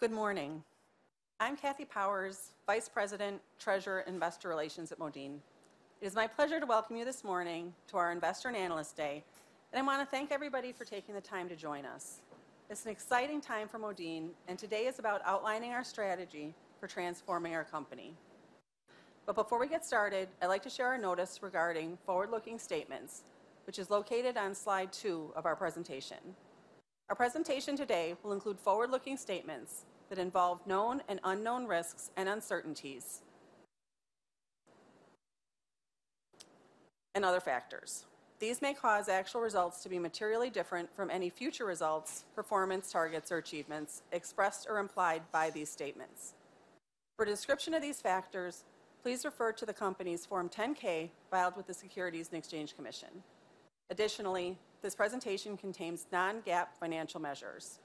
Good morning. I'm Kathleen Powers, Vice President, Treasurer, Investor Relations at Modine. It is my pleasure to welcome you this morning to our Investor and Analyst Day, and I wanna thank everybody for taking the time to join us. It's an exciting time for Modine, and today is about outlining our strategy for transforming our company. Before we get started, I'd like to share a notice regarding forward-looking statements, which is located on slide two of our presentation. Our presentation today will include forward-looking statements that involve known and unknown risks and uncertainties- -and other factors. These may cause actual results to be materially different from any future results, performance targets, or achievements expressed or implied by these statements. For a description of these factors, please refer to the company's Form 10-K filed with the Securities and Exchange Commission. Additionally, this presentation contains non-GAAP financial measures.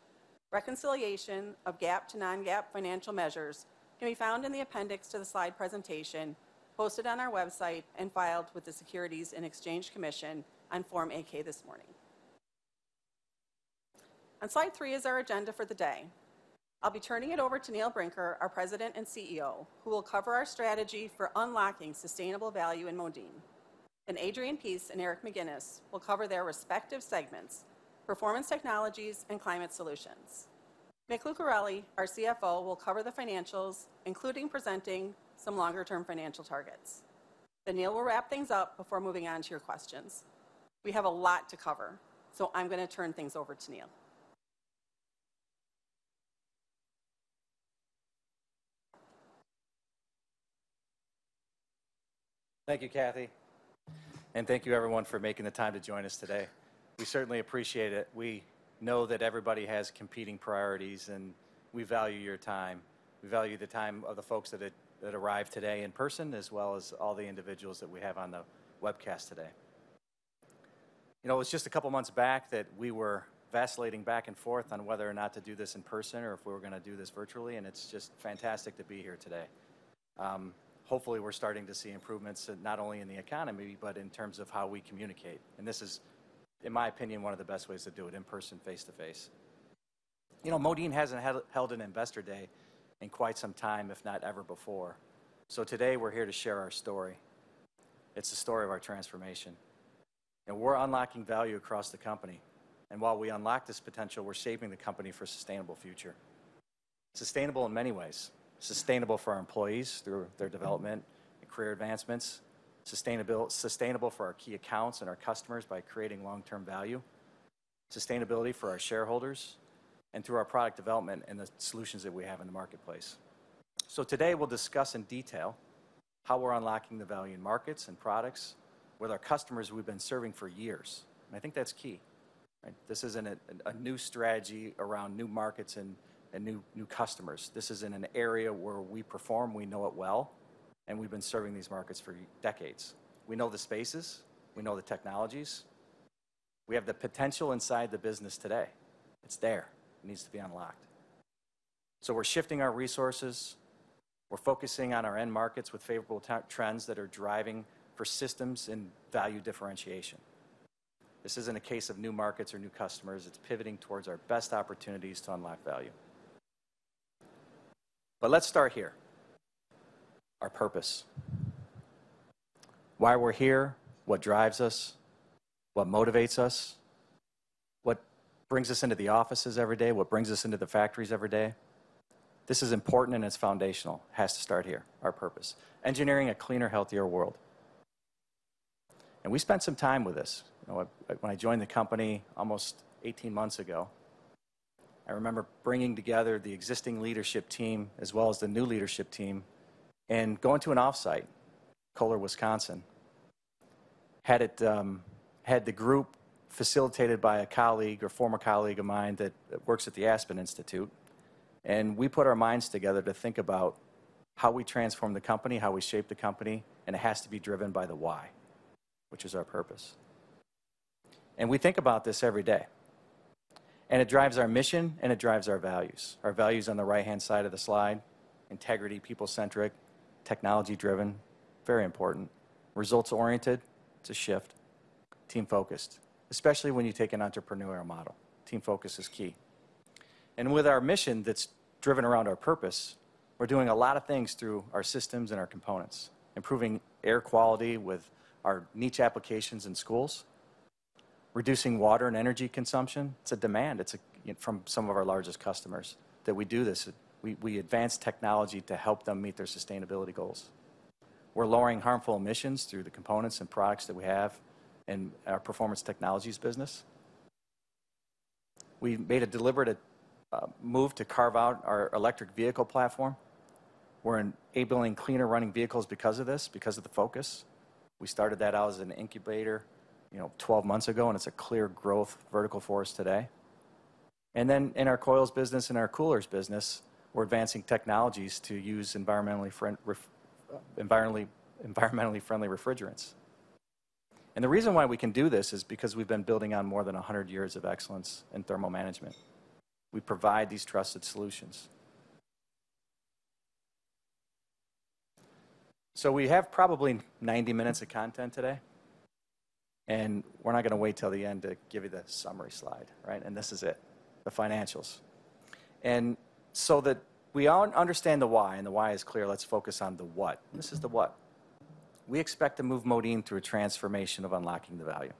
Reconciliation of GAAP to non-GAAP financial measures can be found in the appendix to the slide presentation posted on our website and filed with the Securities and Exchange Commission on Form 8-K this morning. On slide three is our agenda for the day. I'll be turning it over to Neil Brinker, our President and CEO, who will cover our strategy for unlocking sustainable value in Modine. Then Adrian Peace and Eric McGinnis will cover their respective segments, Performance Technologies and Climate Solutions. Mick Lucarelli, our CFO, will cover the financials, including presenting some longer term financial targets. Then Neil will wrap things up before moving on to your questions. We have a lot to cover, so I'm gonna turn things over to Neil. Thank you, Cathy, and thank you everyone for making the time to join us today. We certainly appreciate it. We know that everybody has competing priorities, and we value your time. We value the time of the folks that arrived today in person, as well as all the individuals that we have on the webcast today. You know, it was just a couple months back that we were vacillating back and forth on whether or not to do this in person or if we were gonna do this virtually, and it's just fantastic to be here today. Hopefully we're starting to see improvements not only in the economy, but in terms of how we communicate, and this is, in my opinion, one of the best ways to do it, in person, face-to-face. You know, Modine hasn't held an Investor Day in quite some time, if not ever before. Today, we're here to share our story. It's the story of our transformation, and we're unlocking value across the company, and while we unlock this potential, we're shaping the company for a sustainable future. Sustainable in many ways. Sustainable for our employees through their development and career advancements. Sustainable for our key accounts and our customers by creating long-term value. Sustainability for our shareholders and through our product development and the solutions that we have in the marketplace. Today we'll discuss in detail how we're unlocking the value in markets and products with our customers we've been serving for years, and I think that's key, right? This isn't a new strategy around new markets and new customers this is in an area where we perform, we know it well, and we've been serving these markets for decades. We know the spaces, we know the technologies. We have the potential inside the business today. It's there. It needs to be unlocked. We're shifting our resources. We're focusing on our end markets with favorable trends that are driving for systems and value differentiation. This isn't a case of new markets or new customers it's pivoting towards our best opportunities to unlock value. Let's start here, our purpose. Why we're here, what drives us, what motivates us, what brings us into the offices every day, what brings us into the factories every day. This is important, and it's foundational it has to start here, our purpose. Engineering a cleaner, healthier world. We spent some time with this. You know, when I joined the company almost 18 months ago, I remember bringing together the existing leadership team as well as the new leadership team and going to an off-site, Kohler, Wisconsin. We had the group facilitated by a colleague or former colleague of mine that works at the Aspen Institute, and we put our minds together to think about how we transform the company, how we shape the company, and it has to be driven by the why, which is our purpose. We think about this every day, and it drives our mission, and it drives our values. Our values on the right-hand side of the slide, integrity, people-centric, technology-driven, very important, results-oriented, it's a shift, team-focused, especially when you take an entrepreneurial model. Team focus is key. With our mission that's driven around our purpose, we're doing a lot of things through our systems and our components. Improving air quality with our niche applications in schools. Reducing water and energy consumption. It's a demand from some of our largest customers that we do this. We advance technology to help them meet their sustainability goals. We're lowering harmful emissions through the components and products that we have in our Performance Technologies business. We made a deliberate move to carve out our electric vehicle platform. We're enabling cleaner running vehicles because of this, because of the focus. We started that out as an incubator, you know, 12 months ago, and it's a clear growth vertical for us today. In our coils business and our coolers business, we're advancing technologies to use environmentally friendly refrigerants. The reason why we can do this is because we've been building on more than 100 years of excellence in thermal management. We provide these trusted solutions. We have probably 90 minutes of content today, and we're not going to wait till the end to give you the summary slide, right? This is it, the financials. That we all understand the why, and the why is clear, let's focus on the what this is the what. We expect to move Modine through a transformation of unlocking the value.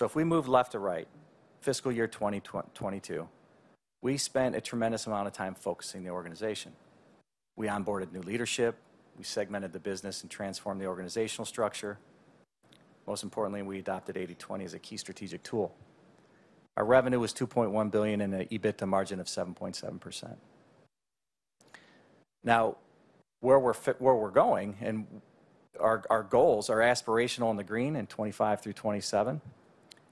If we move left to right, fiscal year 2022, we spent a tremendous amount of time focusing the organization. We onboarded new leadership. We segmented the business and transformed the organizational structure. Most importantly, we adopted 80/20 as a key strategic tool. Our revenue was $2.1 billion and an EBITDA margin of 7.7%. Now, where we're going and our goals are aspirational in the green in 2025 through 2027,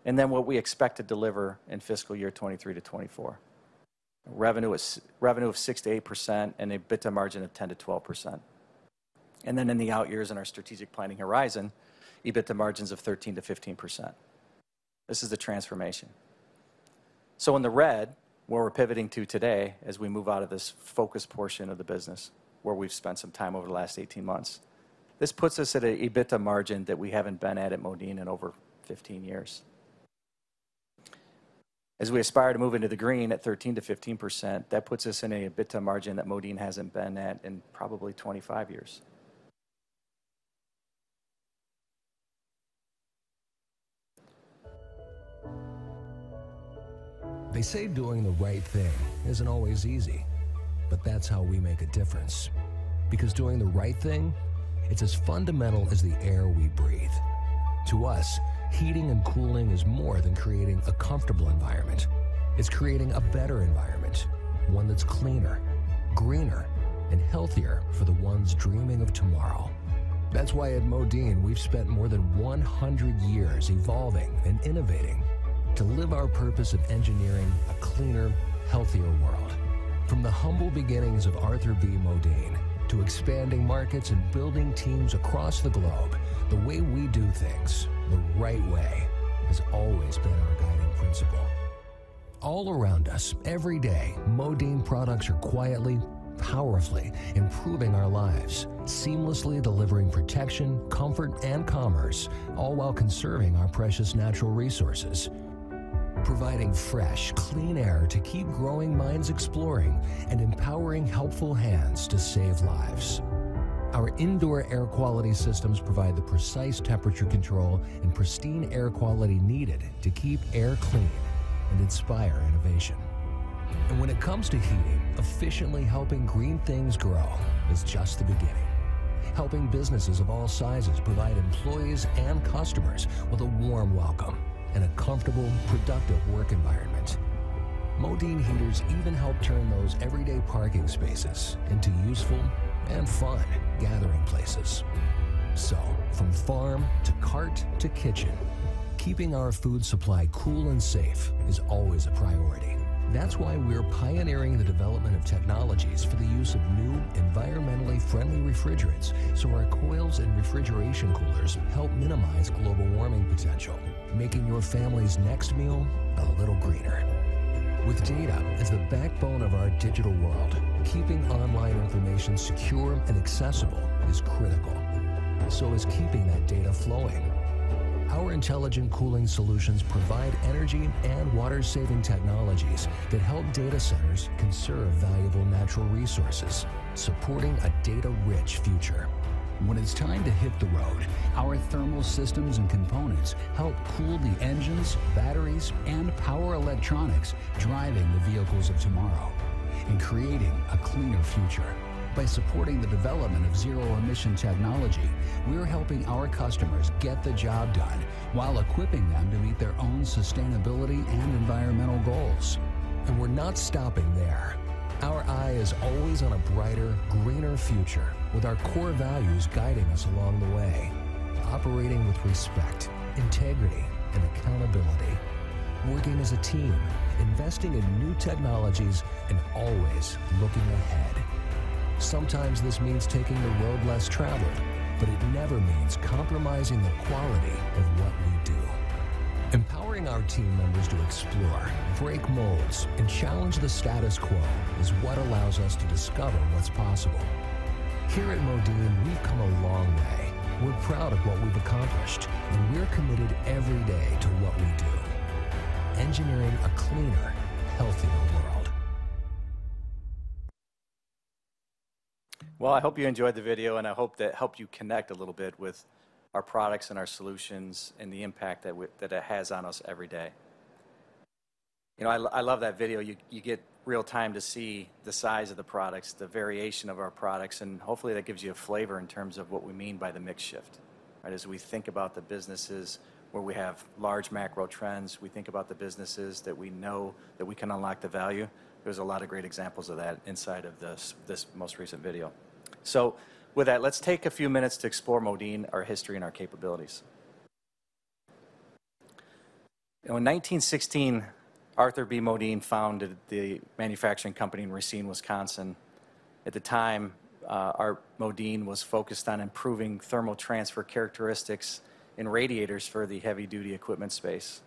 and then what we expect to deliver in fiscal year 2023 to 2024. Revenue of 6% to 8% and EBITDA margin of 10% to 12%. In the out years in our strategic planning horizon, EBITDA margins of 13% to 15%. This is the transformation. In the red, where we're pivoting to today as we move out of this focus portion of the business where we've spent some time over the last 18 months, this puts us at an EBITDA margin that we haven't been at Modine in over 15 years. As we aspire to move into the green at 13% to 15%, that puts us in an EBITDA margin that Modine hasn't been at in probably 25 years. They say doing the right thing isn't always easy, but that's how we make a difference. Because doing the right thing, it's as fundamental as the air we breathe. To us, heating and cooling is more than creating a comfortable environment. It's creating a better environment, one that's cleaner, greener, and healthier for the ones dreaming of tomorrow. That's why at Modine, we've spent more than 100 years evolving and innovating to live our purpose of engineering a cleaner, healthier world. From the humble beginnings of Arthur B. Modine to expanding markets and building teams across the globe, the way we do things, the right way, has always been our guiding principle. All around us, every day, Modine products are quietly, powerfully improving our lives, seamlessly delivering protection, comfort, and commerce, all while conserving our precious natural resources, providing fresh, clean air to keep growing minds exploring and empowering helpful hands to save lives. Our indoor air quality systems provide the precise temperature control and pristine air quality needed to keep air clean and inspire innovation. When it comes to heating, efficiently helping green things grow is just the beginning. Helping businesses of all sizes provide employees and customers with a warm welcome and a comfortable, productive work environment. Modine heaters even help turn those everyday parking spaces into useful and fun gathering places. From farm to cart to kitchen, keeping our food supply cool and safe is always a priority. That's why we're pioneering the development of technologies for the use of new, environmentally friendly refrigerants, so our coils and refrigeration coolers help minimize global warming potential, making your family's next meal a little greener. With data as the backbone of our digital world, keeping online information secure and accessible is critical. So is keeping that data flowing. Our intelligent cooling solutions provide energy and water-saving technologies that help data centers conserve valuable natural resources, supporting a data-rich future. When it's time to hit the road, our thermal systems and components help cool the engines, batteries, and power electronics driving the vehicles of tomorrow and creating a cleaner future. By supporting the development of zero-emission technology, we're helping our customers get the job done while equipping them to meet their own sustainability and environmental goals. We're not stopping there. Our eye is always on a brighter, greener future with our core values guiding us along the way, operating with respect, integrity, and accountability, working as a team, investing in new technologies, and always looking ahead. Sometimes this means taking the road less traveled, but it never means compromising the quality of what we do. Empowering our team members to explore, break molds, and challenge the status quo is what allows us to discover what's possible. Here at Modine, we've come a long way. We're proud of what we've accomplished, and we're committed every day to what we do, engineering a cleaner, healthier world. Well, I hope you enjoyed the video, and I hope that helped you connect a little bit with our products and our solutions and the impact that it has on us every day. You know, I love that video. You get real-time to see the size of the products, the variation of our products, and hopefully that gives you a flavor in terms of what we mean by the mix shift, right? As we think about the businesses where we have large macro trends, we think about the businesses that we know that we can unlock the value. There's a lot of great examples of that inside of this most recent video. With that, let's take a few minutes to explore Modine, our history, and our capabilities. In 1916, Arthur B. Modine founded the manufacturing company in Racine, Wisconsin. At the time, Art Modine was focused on improving thermal transfer characteristics in radiators for the heavy-duty equipment space.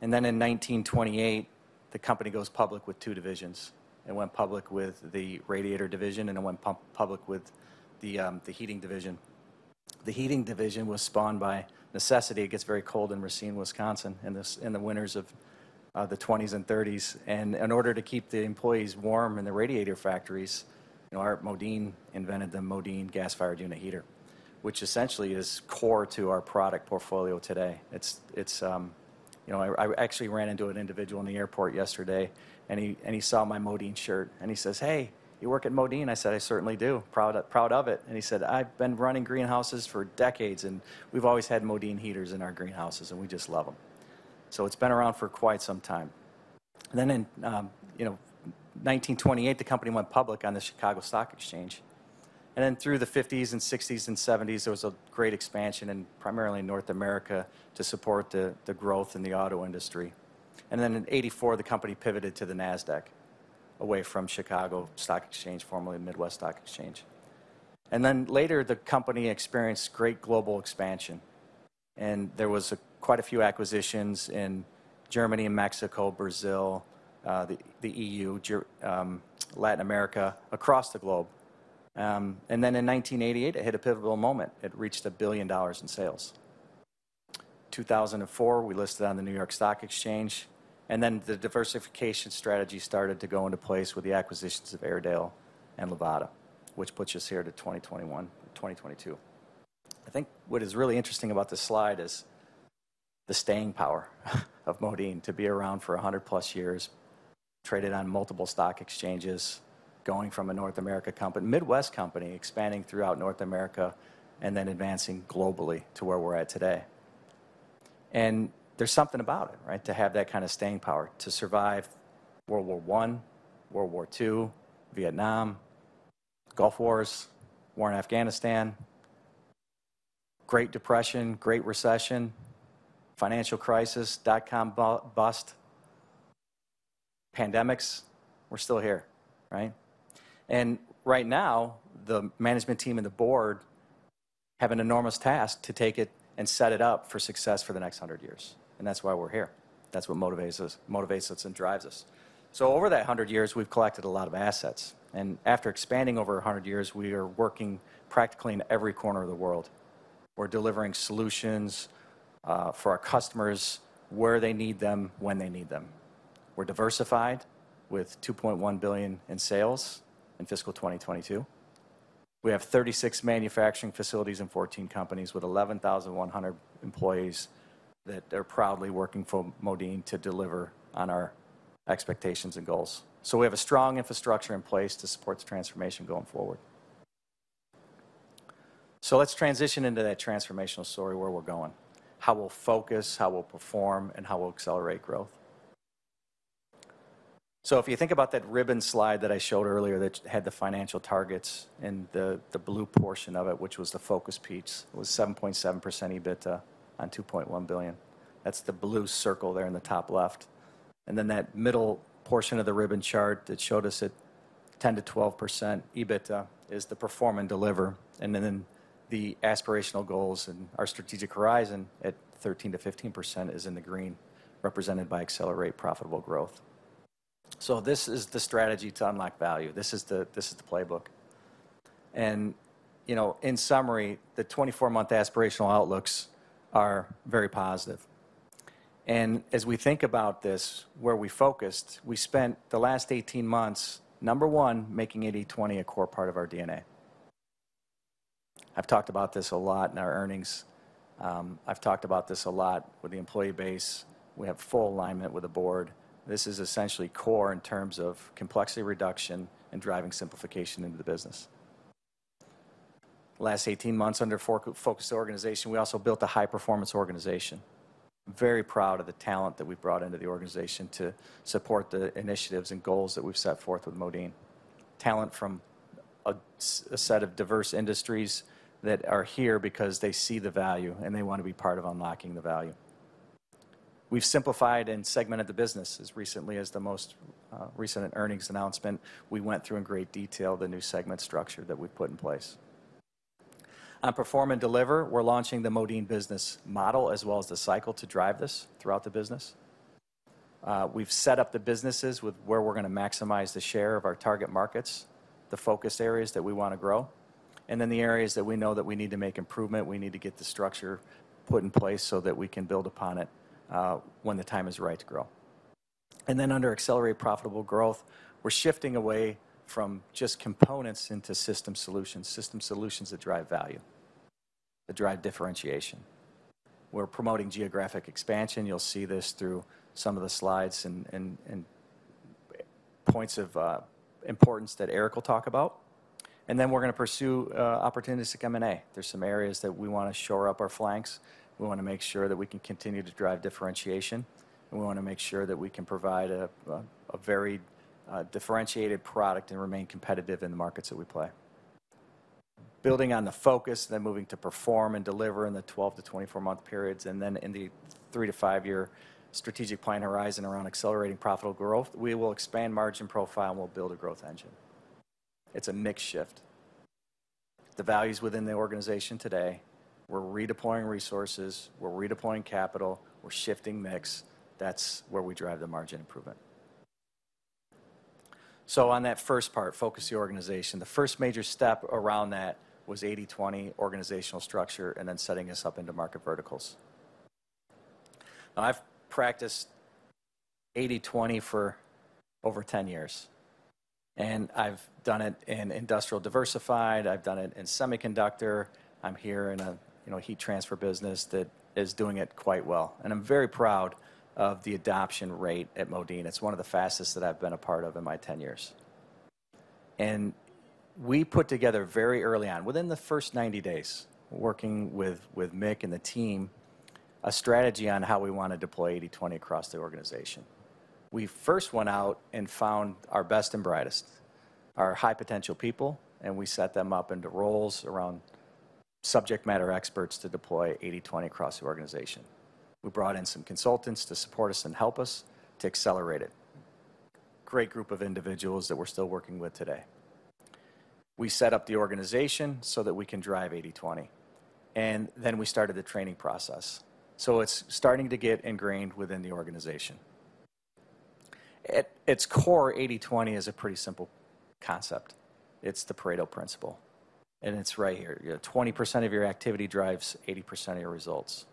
In 1928, the company goes public with two divisions. It went public with the radiator division, and it went public with the heating division. The heating division was spawned by necessity it gets very cold in Racine, Wisconsin, in the winters of the 20's and 30's. In order to keep the employees warm in the radiator factories, you know, Art Modine invented the Modine gas-fired unit heater, which essentially is core to our product portfolio today. You know, I actually ran into an individual in the airport yesterday, and he saw my Modine shirt, and he says, "Hey, you work at Modine." I said, "I certainly do. Proud of it." He said, "I've been running greenhouses for decades, and we've always had Modine heaters in our greenhouses, and we just love them." It's been around for quite some time. Then in 1928, the company went public on the Chicago Stock Exchange. Then through the 1950s and 1960s and 1970s, there was a great expansion in primarily North America to support the growth in the auto industry. Then in 1984, the company pivoted to the Nasdaq, away from Chicago Stock Exchange, formerly Midwest Stock Exchange. Later, the company experienced great global expansion, and there was quite a few acquisitions in Germany and Mexico, Brazil, the EU, Latin America, across the globe. Then in 1988, it hit a pivotal moment it reached $1 billion in sales. 2004, we listed on the New York Stock Exchange, and then the diversification strategy started to go into place with the acquisitions of Airedale and Luvata, which puts us here to 2021, 2022. I think what is really interesting about this slide is the staying power of Modine to be around for 100+ years, traded on multiple stock exchanges, going from a North America company, Midwest company, expanding throughout North America and then advancing globally to where we're at today. There's something about it, right, to have that kind of staying power to survive World War I, World War II, Vietnam, Gulf Wars, war in Afghanistan, Great Depression, Great Recession, financial crisis, dot-com bust, pandemics. We're still here, right? Right now, the management team and the board, have an enormous task to take it and set it up for success for the next 100 years, and that's why we're here. That's what motivates us and drives us. Over that 100 years, we've collected a lot of assets, and after expanding over a 100 years, we are working practically in every corner of the world. We're delivering solutions for our customers where they need them, when they need them. We're diversified with $2.1 billion in sales in fiscal 2022. We have 36 manufacturing facilities and 14 companies with 11,100 employees that are proudly working for Modine to deliver on our expectations and goals. We have a strong infrastructure in place to support the transformation going forward. Let's transition into that transformational story where we're going, how we'll focus, how we'll perform, and how we'll accelerate growth. If you think about that ribbon slide that I showed earlier that had the financial targets and the blue portion of it, which was 7.7% EBITDA on $2.1 billion. That's the blue circle there in the top left. Then that middle portion of the ribbon chart that showed us at 10% to 12% EBITDA is the perform and deliver. Then the aspirational goals and our strategic horizon at 13% to 15% is in the green, represented by accelerate profitable growth. This is the strategy to unlock value this is the playbook. You know, in summary, the 24-month aspirational outlooks are very positive. As we think about this, where we focused, we spent the last 18 months, number one, making 80/20 a core part of our DNA. I've talked about this a lot in our earnings. I've talked about this a lot with the employee base. We have full alignment with the board. This is essentially core in terms of complexity reduction and driving simplification into the business. Last 18 months, under focused organization, we also built a high-performance organization. Very proud of the talent that we've brought into the organization to support the initiatives and goals that we've set forth with Modine. Talent from a set of diverse industries that are here because they see the value, and they want to be part of unlocking the value. We've simplified and segmented the business as recently as the most recent earnings announcement. We went through in great detail the new segment structure that we've put in place. On perform and deliver, we're launching the Modine business model as well as the cycle to drive this throughout the business. We've set up the businesses with where we're gonna maximize the share of our target markets, the focus areas that we wanna grow, and then the areas that we know that we need to make improvement, we need to get the structure put in place so that we can build upon it, when the time is right to grow. Under accelerate profitable growth, we're shifting away from just components into system solutions, system solutions that drive value, that drive differentiation. We're promoting geographic expansion you'll see this through some of the slides and points of importance that Eric will talk about. We're gonna pursue opportunities to come in and. There's some areas that we wanna shore up our flanks. We wanna make sure that we can continue to drive differentiation, and we wanna make sure that we can provide a very differentiated product and remain competitive in the markets that we play. Building on the focus, then moving to perform and deliver in the 12 to 24 month periods, and then in the 3 to 5-year strategic plan horizon around accelerating profitable growth, we will expand margin profile, and we'll build a growth engine. It's a mix shift. The values within the organization today, we're redeploying resources, we're redeploying capital, we're shifting mix. That's where we drive the margin improvement. On that first part, focus the organization, the first major step around that was 80/20 organizational structure and then setting us up into market verticals. Now, I've practiced 80/20 for over 10 years, and I've done it in industrial diversified, I've done it in semiconductor. I'm here in a, you know, heat transfer business that is doing it quite well, and I'm very proud of the adoption rate at Modine it's one of the fastest that I've been a part of in my 10 years. We put together very early on, within the first 90 days, working with Mick and the team, a strategy on how we wanna deploy 80/20 across the organization. We first went out and found our best and brightest, our high-potential people, and we set them up into roles around subject matter experts to deploy 80/20 across the organization. We brought in some consultants to support us and help us to accelerate it. Great group of individuals that we're still working with today. We set up the organization so that we can drive 80/20, and then we started the training process, so it's starting to get ingrained within the organization. At its core, 80/20 is a pretty simple concept. It's the Pareto principle, and it's right here. You have 20% of your activity drives 80% of your results.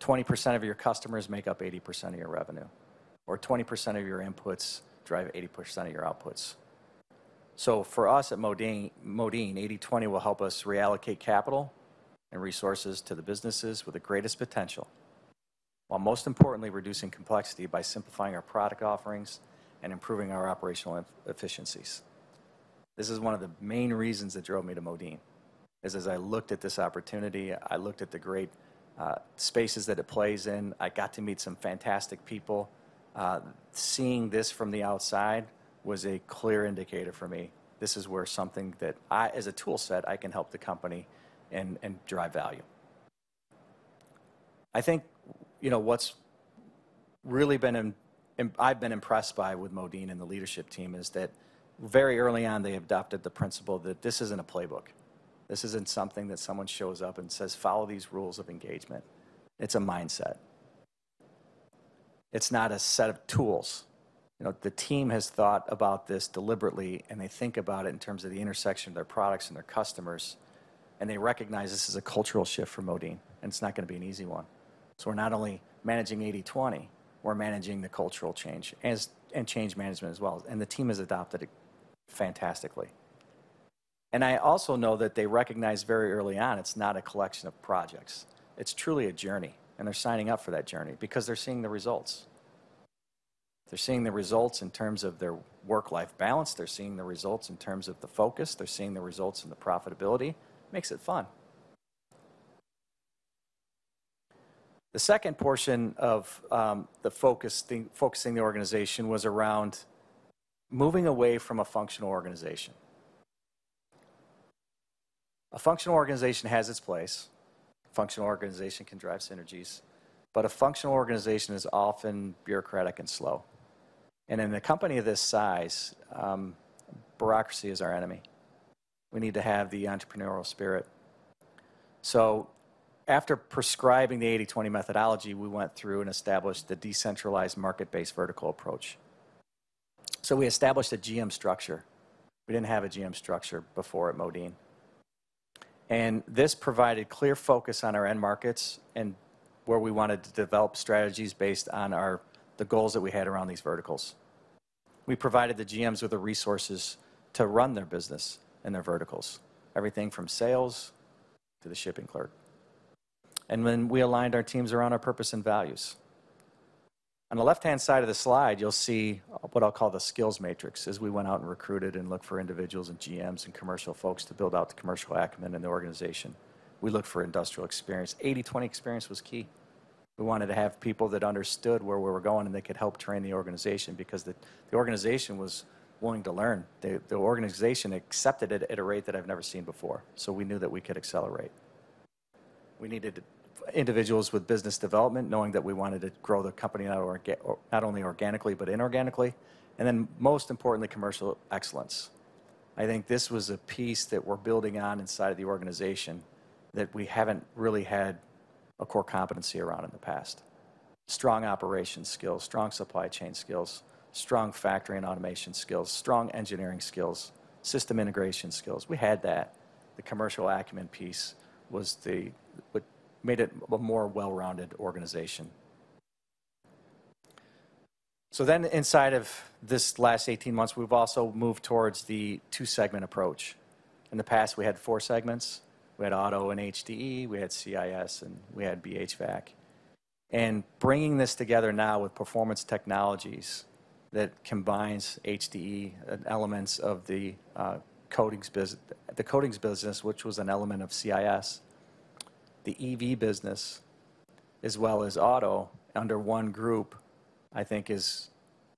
20% of your customers make up 80% of your revenue, or 20% of your inputs drive 80% of your outputs. For us at Modine, 80/20 will help us reallocate capital and resources to the businesses with the greatest potential, while most importantly reducing complexity by simplifying our product offerings and improving our operational efficiencies. This is one of the main reasons that drove me to Modine, as I looked at this opportunity, I looked at the great spaces that it plays in. I got to meet some fantastic people. Seeing this from the outside was a clear indicator for me. This is where, as a tool set, I can help the company and drive value. I think, you know, what's really been, I've been impressed with Modine and the leadership team is that very early on, they adopted the principle that this isn't a playbook. This isn't something that someone shows up and says, "Follow these rules of engagement." It's a mindset. It's not a set of tools. You know, the team has thought about this deliberately, and they think about it in terms of the intersection of their products and their customers, and they recognize this is a cultural shift for Modine, and it's not gonna be an easy one. We're not only managing 80/20, we're managing the cultural change and change management as well, and the team has adopted it fantastically. I also know that they recognized very early on it's not a collection of projects. It's truly a journey, and they're signing up for that journey because they're seeing the results. They're seeing the results in terms of their work-life balance they're seeing the results in terms of the focus they're seeing the results in the profitability. Makes it fun. The second portion of the focus, focusing the organization was around moving away from a functional organization. A functional organization has its place. A functional organization can drive synergies, but a functional organization is often bureaucratic and slow, and in a company of this size, bureaucracy is our enemy. We need to have the entrepreneurial spirit. After prescribing the 80/20 methodology, we went through and established the decentralized market-based vertical approach. We established a GM structure. We didn't have a GM structure before at Modine. This provided clear focus on our end markets and where we wanted to develop strategies based on our goals that we had around these verticals. We provided the GMs with the resources to run their business and their verticals, everything from sales to the shipping clerk. We aligned our teams around our purpose and values. On the left-hand side of the slide, you'll see what I'll call the skills matrix. As we went out and recruited and looked for individuals and GMs and commercial folks to build out the commercial acumen in the organization, we looked for industrial experience. 80/20 experience was key. We wanted to have people that understood where we were going, and they could help train the organization because the organization was willing to learn. The organization accepted it at a rate that I've never seen before, so we knew that we could accelerate. We needed individuals with business development, knowing that we wanted to grow the company not only organically, but inorganically, and then most importantly, commercial excellence. I think this was a piece that we're building on inside the organization that we haven't really had a core competency around in the past. Strong operations skills, strong supply chain skills, strong factory and automation skills, strong engineering skills, system integration skills we had that. The commercial acumen piece was what made it a more well-rounded organization. Inside of this last 18 months, we've also moved towards the two-segment approach. In the past, we had four segments. We had Auto and HDE, we had CIS, and we had BHVAC. Bringing this together now with Performance Technologies that combines HDE and elements of the coatings business, which was an element of CIS, the EV business, as well as Auto, under one group, I think is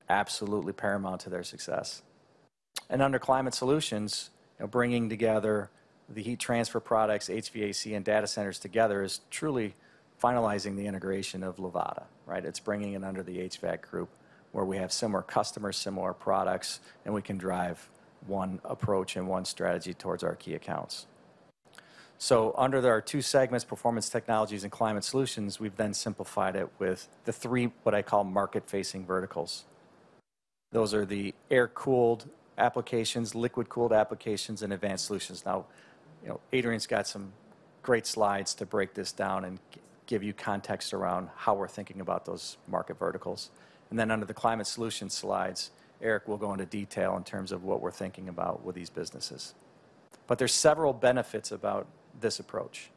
absolutely paramount to their success. Under Climate Solutions, you know, bringing together the heat transfer products, HVAC, and data centers together is truly finalizing the integration of Luvata, right? It's bringing it under the HVAC group, where we have similar customers, similar products, and we can drive one approach and one strategy towards our key accounts. Under there are two segments, Performance Technologies and Climate Solutions, we've then simplified it with the three, what I call market-facing verticals. Those are the air-cooled applications, liquid-cooled applications, and advanced solutions. Now, you know, Adrian Peace's got some great slides to break this down and give you context around how we're thinking about those market verticals. Then under the Climate Solutions slides, Eric McGinnis will go into detail in terms of what we're thinking about with these businesses. There are several benefits about this approach.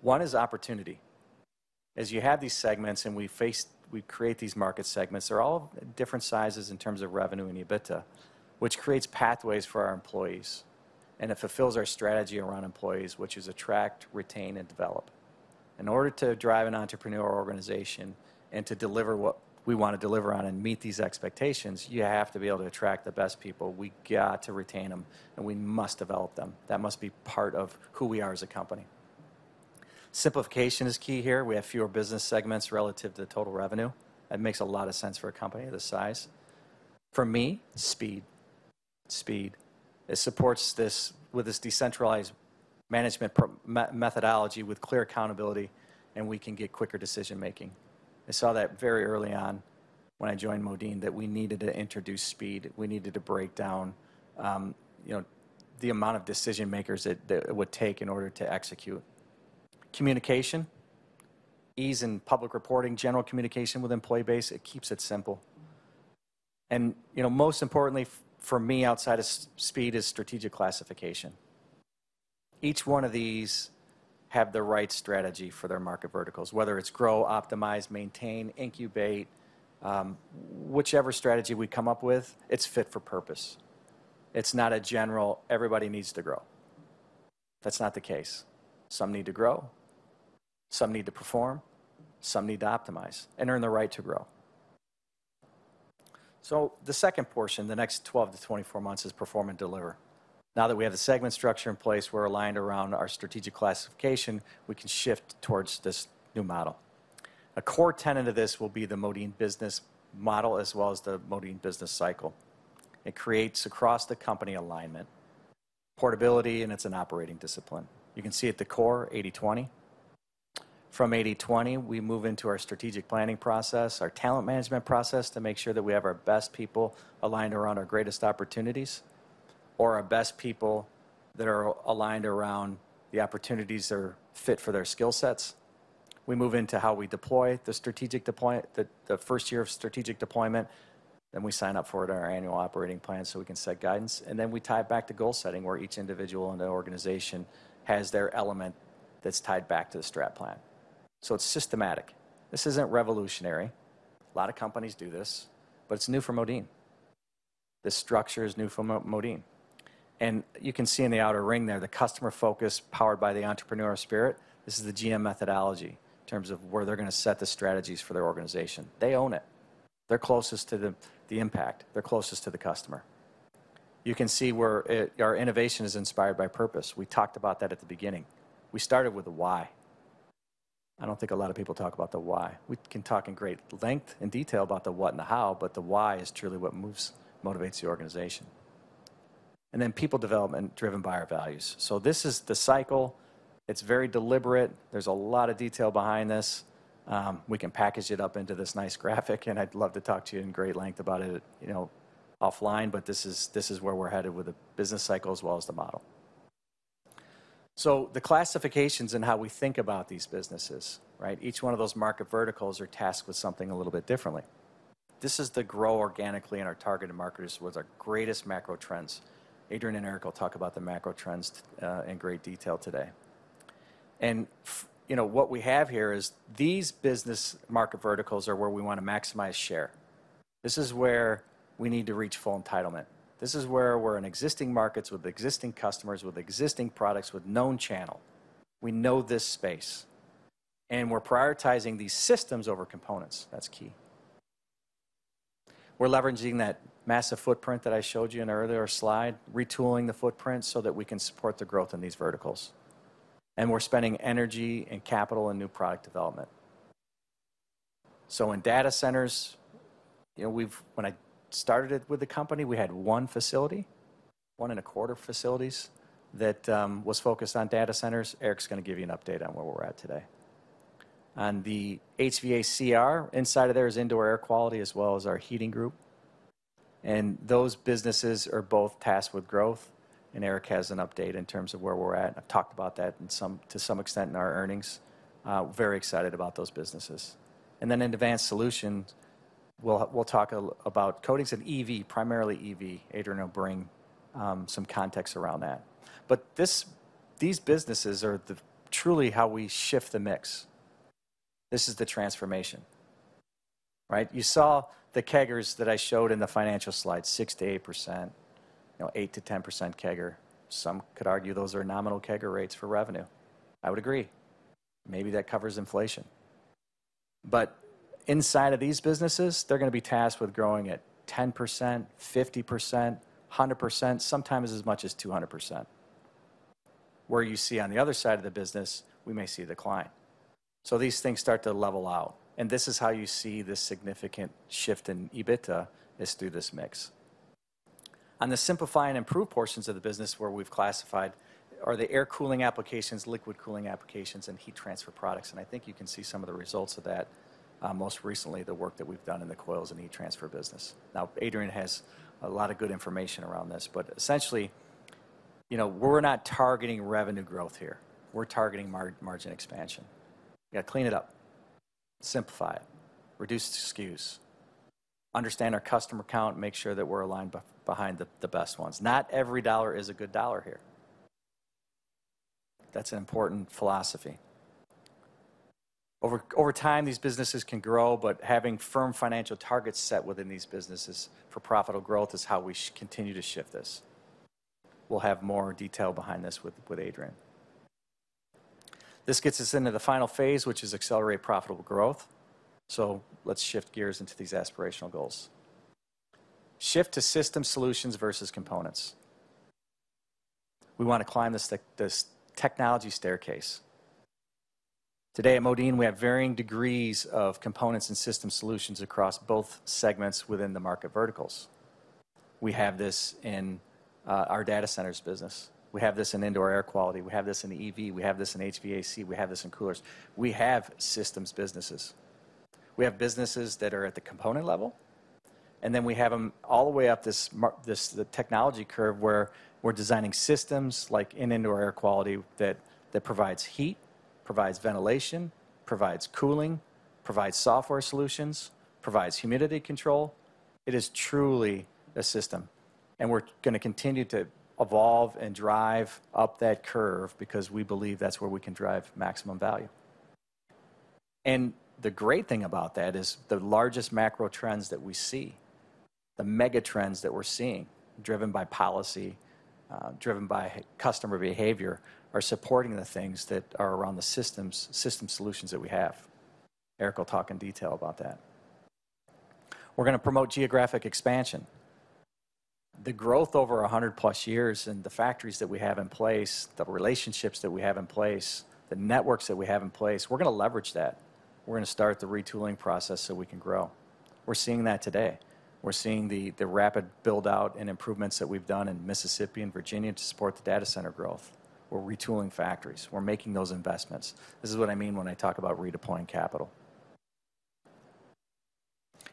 One is opportunity. As you have these segments, and we create these market segments, they're all different sizes in terms of revenue and EBITDA, which creates pathways for our employees, and it fulfills our strategy around employees, which is attract, retain, and develop. In order to drive an entrepreneurial organization and to deliver what we want to deliver on and meet these expectations, you have to be able to attract the best people we got to retain them, and we must develop them. That must be part of who we are as a company. Simplification is key here we have fewer business segments relative to total revenue. That makes a lot of sense for a company this size. For me, speed. It supports this with this decentralized management methodology with clear accountability, and we can get quicker decision-making. I saw that very early on when I joined Modine that we needed to introduce speed we needed to break down, you know, the amount of decision-makers it would take in order to execute. Communication, ease in public reporting, general communication with employee base, it keeps it simple. You know, most importantly for me, outside of speed is strategic classification. Each one of these have the right strategy for their market verticals, whether it's grow, optimize, maintain, incubate, whichever strategy we come up with, it's fit for purpose. It's not a general, everybody needs to grow. That's not the case. Some need to grow, some need to perform, some need to optimize and earn the right to grow. The second portion, the next 12 to 24 months, is perform and deliver. Now that we have the segment structure in place, we're aligned around our strategic classification, we can shift towards this new model. A core tenet of this will be the Modine business model as well as the Modine business cycle. It creates across-the-company alignment, portability, and it's an operating discipline. You can see at the core, 80/20. From 80/20, we move into our strategic planning process, our talent management process to make sure that we have our best people aligned around our greatest opportunities or our best people that are aligned around the opportunities that are fit for their skill sets. We move into how we deploy the first year of strategic deployment. We sign up for it in our annual operating plan so we can set guidance and we tie it back to goal setting, where each individual in the organization has their element that's tied back to the strat plan. It's systematic. This isn't revolutionary. A lot of companies do this, but it's new for Modine. This structure is new for Modine. You can see in the outer ring there, the customer focus powered by the entrepreneurial spirit. This is the GM methodology in terms of where they're gonna set the strategies for their organization they own it. They're closest to the impact. They're closest to the customer. You can see where our innovation is inspired by purpose we talked about that at the beginning. We started with the why. I don't think a lot of people talk about the why. We can talk in great length and detail about the what and the how, but the why is truly what moves, motivates the organization. People development driven by our values. This is the cycle. It's very deliberate. There's a lot of detail behind this. We can package it up into this nice graphic, and I'd love to talk to you in great length about it, you know, offline, but this is where we're headed with the business cycle as well as the model. The classifications and how we think about these businesses, right? Each one of those market verticals are tasked with something a little bit differently. This is the grow organically in our targeted markets with our greatest macro trends. Adrian Peace and Eric McGinnis will talk about the macro trends in great detail today. You know, what we have here is these business market verticals are where we wanna maximize share. This is where we need to reach full entitlement. This is where we're in existing markets with existing customers, with existing products, with known channel. We know this space, and we're prioritizing these systems over components that's key. We're leveraging that massive footprint that I showed you in an earlier slide, retooling the footprint so that we can support the growth in these verticals. We're spending energy and capital in new product development. In data centers, you know, we've. When I started it with the company, we had one facility, 1.25 facilities that was focused on data centers. Eric's gonna give you an update on where we're at today. On the HVACR, inside of there is indoor air quality as well as our heating group, and those businesses are both tasked with growth, and Eric has an update in terms of where we're at i've talked about that in some, to some extent in our earnings. Very excited about those businesses. In advanced solutions, we'll talk about coatings and EV, primarily EV. Adrian will bring some context around that. These businesses are truly how we shift the mix. This is the transformation, right? You saw the CAGRs that I showed in the financial slide, 6% to 8%, you know, 8% to 10% CAGR. Some could argue those are nominal CAGR rates for revenue. I would agree. Maybe that covers inflation. Inside of these businesses, they're gonna be tasked with growing at 10%, 50%, 100%, sometimes as much as 200%. Where you see on the other side of the business, we may see decline. So these things start to level out, and this is how you see the significant shift in EBITDA is through this mix. On the simplify and improve portions of the business where we've classified are the air cooling applications, liquid cooling applications, and heat transfer products, and I think you can see some of the results of that, most recently the work that we've done in the coils and heat transfer business. Now, Adrian has a lot of good information around this, but essentially, you know, we're not targeting revenue growth here. We're targeting margin expansion. You gotta clean it up, simplify it, reduce the SKUs, understand our customer count, make sure that we're aligned behind the best ones not every dollar is a good dollar here. That's an important philosophy. Over time, these businesses can grow, but having firm financial targets set within these businesses for profitable growth is how we continue to shift this. We'll have more detail behind this with Adrian Peace. This gets us into the final phase, which is accelerate profitable growth. Let's shift gears into these aspirational goals. Shift to system solutions versus components. We wanna climb this technology staircase. Today at Modine, we have varying degrees of components and system solutions across both segments within the market verticals. We have this in our data centers business. We have this in indoor air quality. We have this in EV we have this in HVAC we have this in coolers. We have systems businesses. We have businesses that are at the component level? and then we have them all the way up this, the technology curve, where we're designing systems like in indoor air quality that provides heat, provides ventilation, provides cooling, provides software solutions, provides humidity control. It is truly a system, and we're gonna continue to evolve and drive up that curve because we believe that's where we can drive maximum value. The great thing about that is the largest macro trends that we see, the mega trends that we're seeing, driven by policy, driven by customer behavior, are supporting the things that are around the systems, system solutions that we have. Eric will talk in detail about that. We're gonna promote geographic expansion. The growth over 100+ years and the factories that we have in place, the relationships that we have in place, the networks that we have in place, we're gonna leverage that. We're gonna start the retooling process so we can grow. We're seeing that today. We're seeing the rapid build-out and improvements that we've done in Mississippi and Virginia to support the data center growth. We're retooling factories. We're making those investments. This is what I mean when I talk about redeploying capital.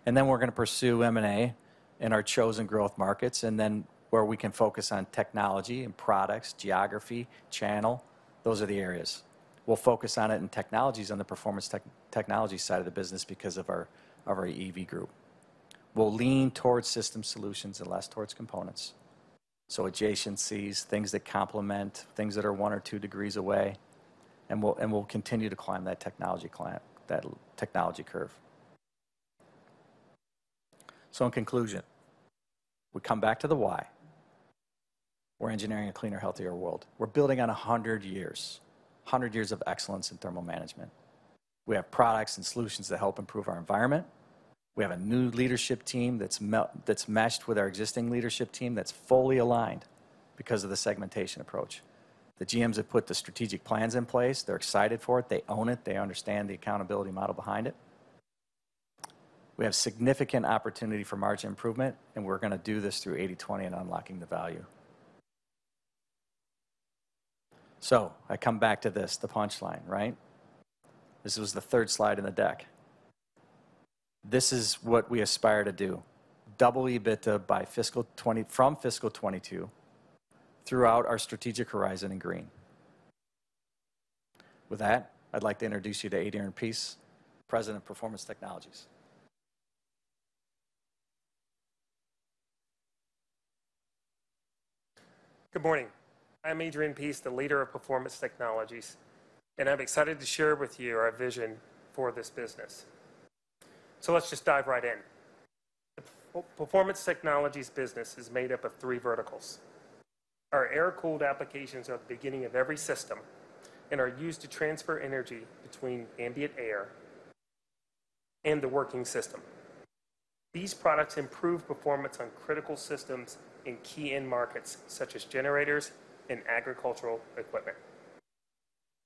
We're gonna pursue M&A in our chosen growth markets, and then where we can focus on technology and products, geography, channel, those are the areas. We'll focus on it in technologies on the Performance Technologies side of the business because of our EV group. We'll lean towards system solutions and less towards components, so adjacencies, things that complement, things that are one or two degrees away, and we'll continue to climb that technology curve. In conclusion, we come back to the why. We're engineering a cleaner, healthier world. We're building on 100 years of excellence in thermal management. We have products and solutions that help improve our environment. We have a new leadership team that's meshed with our existing leadership team, that's fully aligned, because of the segmentation approach. The GMs have put the strategic plans in place they're excited for it they own it they understand the accountability model behind it. We have significant opportunity for margin improvement, and we're gonna do this through 80/20 and unlocking the value. I come back to this, the punchline, right? This was the third slide in the deck. This is what we aspire to do. Double EBITDA from fiscal 2022 throughout our strategic horizon in green. With that, I'd like to introduce you to Adrian Peace, President of Performance Technologies. Good morning. I'm Adrian Peace, the leader of Performance Technologies, and I'm excited to share with you our vision for this business. Let's just dive right in. Performance Technologies business is made up of three verticals. Our air-cooled applications are the beginning of every system and are used to transfer energy between ambient air and the working system. These products improve performance on critical systems in key end markets, such as generators and agricultural equipment.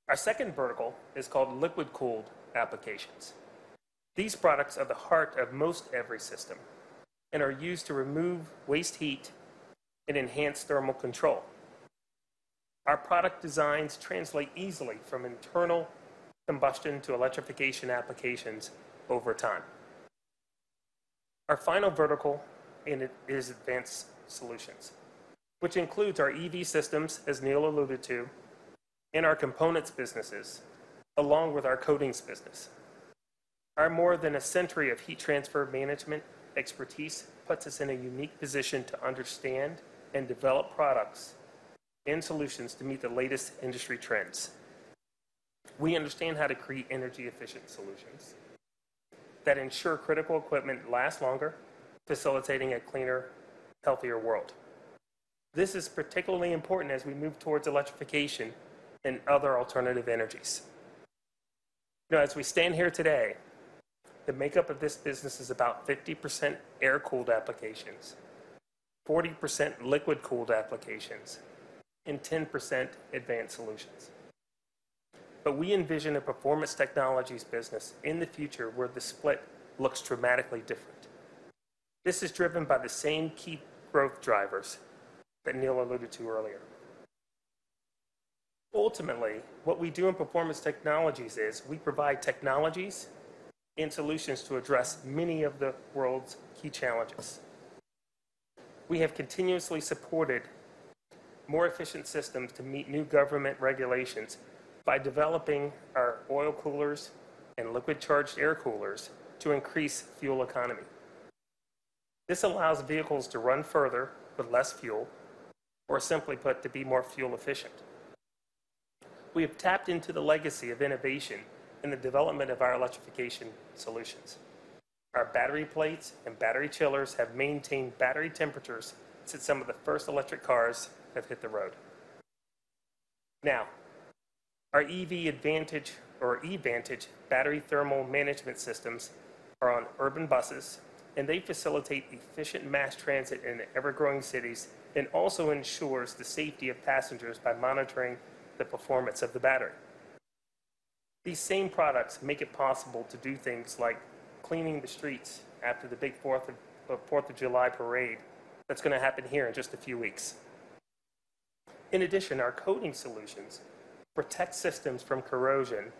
Our second vertical is called liquid-cooled applications. These products are the heart of most every system and are used to remove waste heat and enhance thermal control. Our product designs translate easily from internal combustion to electrification applications over time. Our final vertical and it is advanced solutions, which includes our EV systems, as Neil alluded to, and our components businesses, along with our coatings business. Our more than a century of heat transfer management expertise puts us in a unique position to understand and develop products and solutions to meet the latest industry trends. We understand how to create energy-efficient solutions. That ensure critical equipment lasts longer, facilitating a cleaner, healthier world. This is particularly important as we move towards electrification and other alternative energies. You know, as we stand here today. The makeup of this business is about 50% air-cooled applications, 40% liquid-cooled applications, and 10% advanced solutions. We envision a Performance Technologies business in the future where the split looks dramatically different. This is driven by the same key growth drivers that Neil alluded to earlier. Ultimately, what we do in Performance Technologies is we provide technologies and solutions to address many of the world's key challenges. We have continuously supported more efficient systems to meet new government regulations by developing our oil coolers and liquid charged air coolers to increase fuel economy. This allows vehicles to run further with less fuel, or simply put, to be more fuel efficient. We have tapped into the legacy of innovation in the development of our electrification solutions. Our battery plates and battery chillers have maintained battery temperatures since some of the first electric cars have hit the road. Now, our EV advantage or EVantage Battery Thermal Management systems are on urban buses, and they facilitate efficient mass transit in the ever-growing cities and also ensures the safety of passengers by monitoring the performance of the battery. These same products make it possible to do things like cleaning the streets after the big four of July parade that's gonna happen here in just a few weeks. In addition, our coating solutions protect systems from corrosion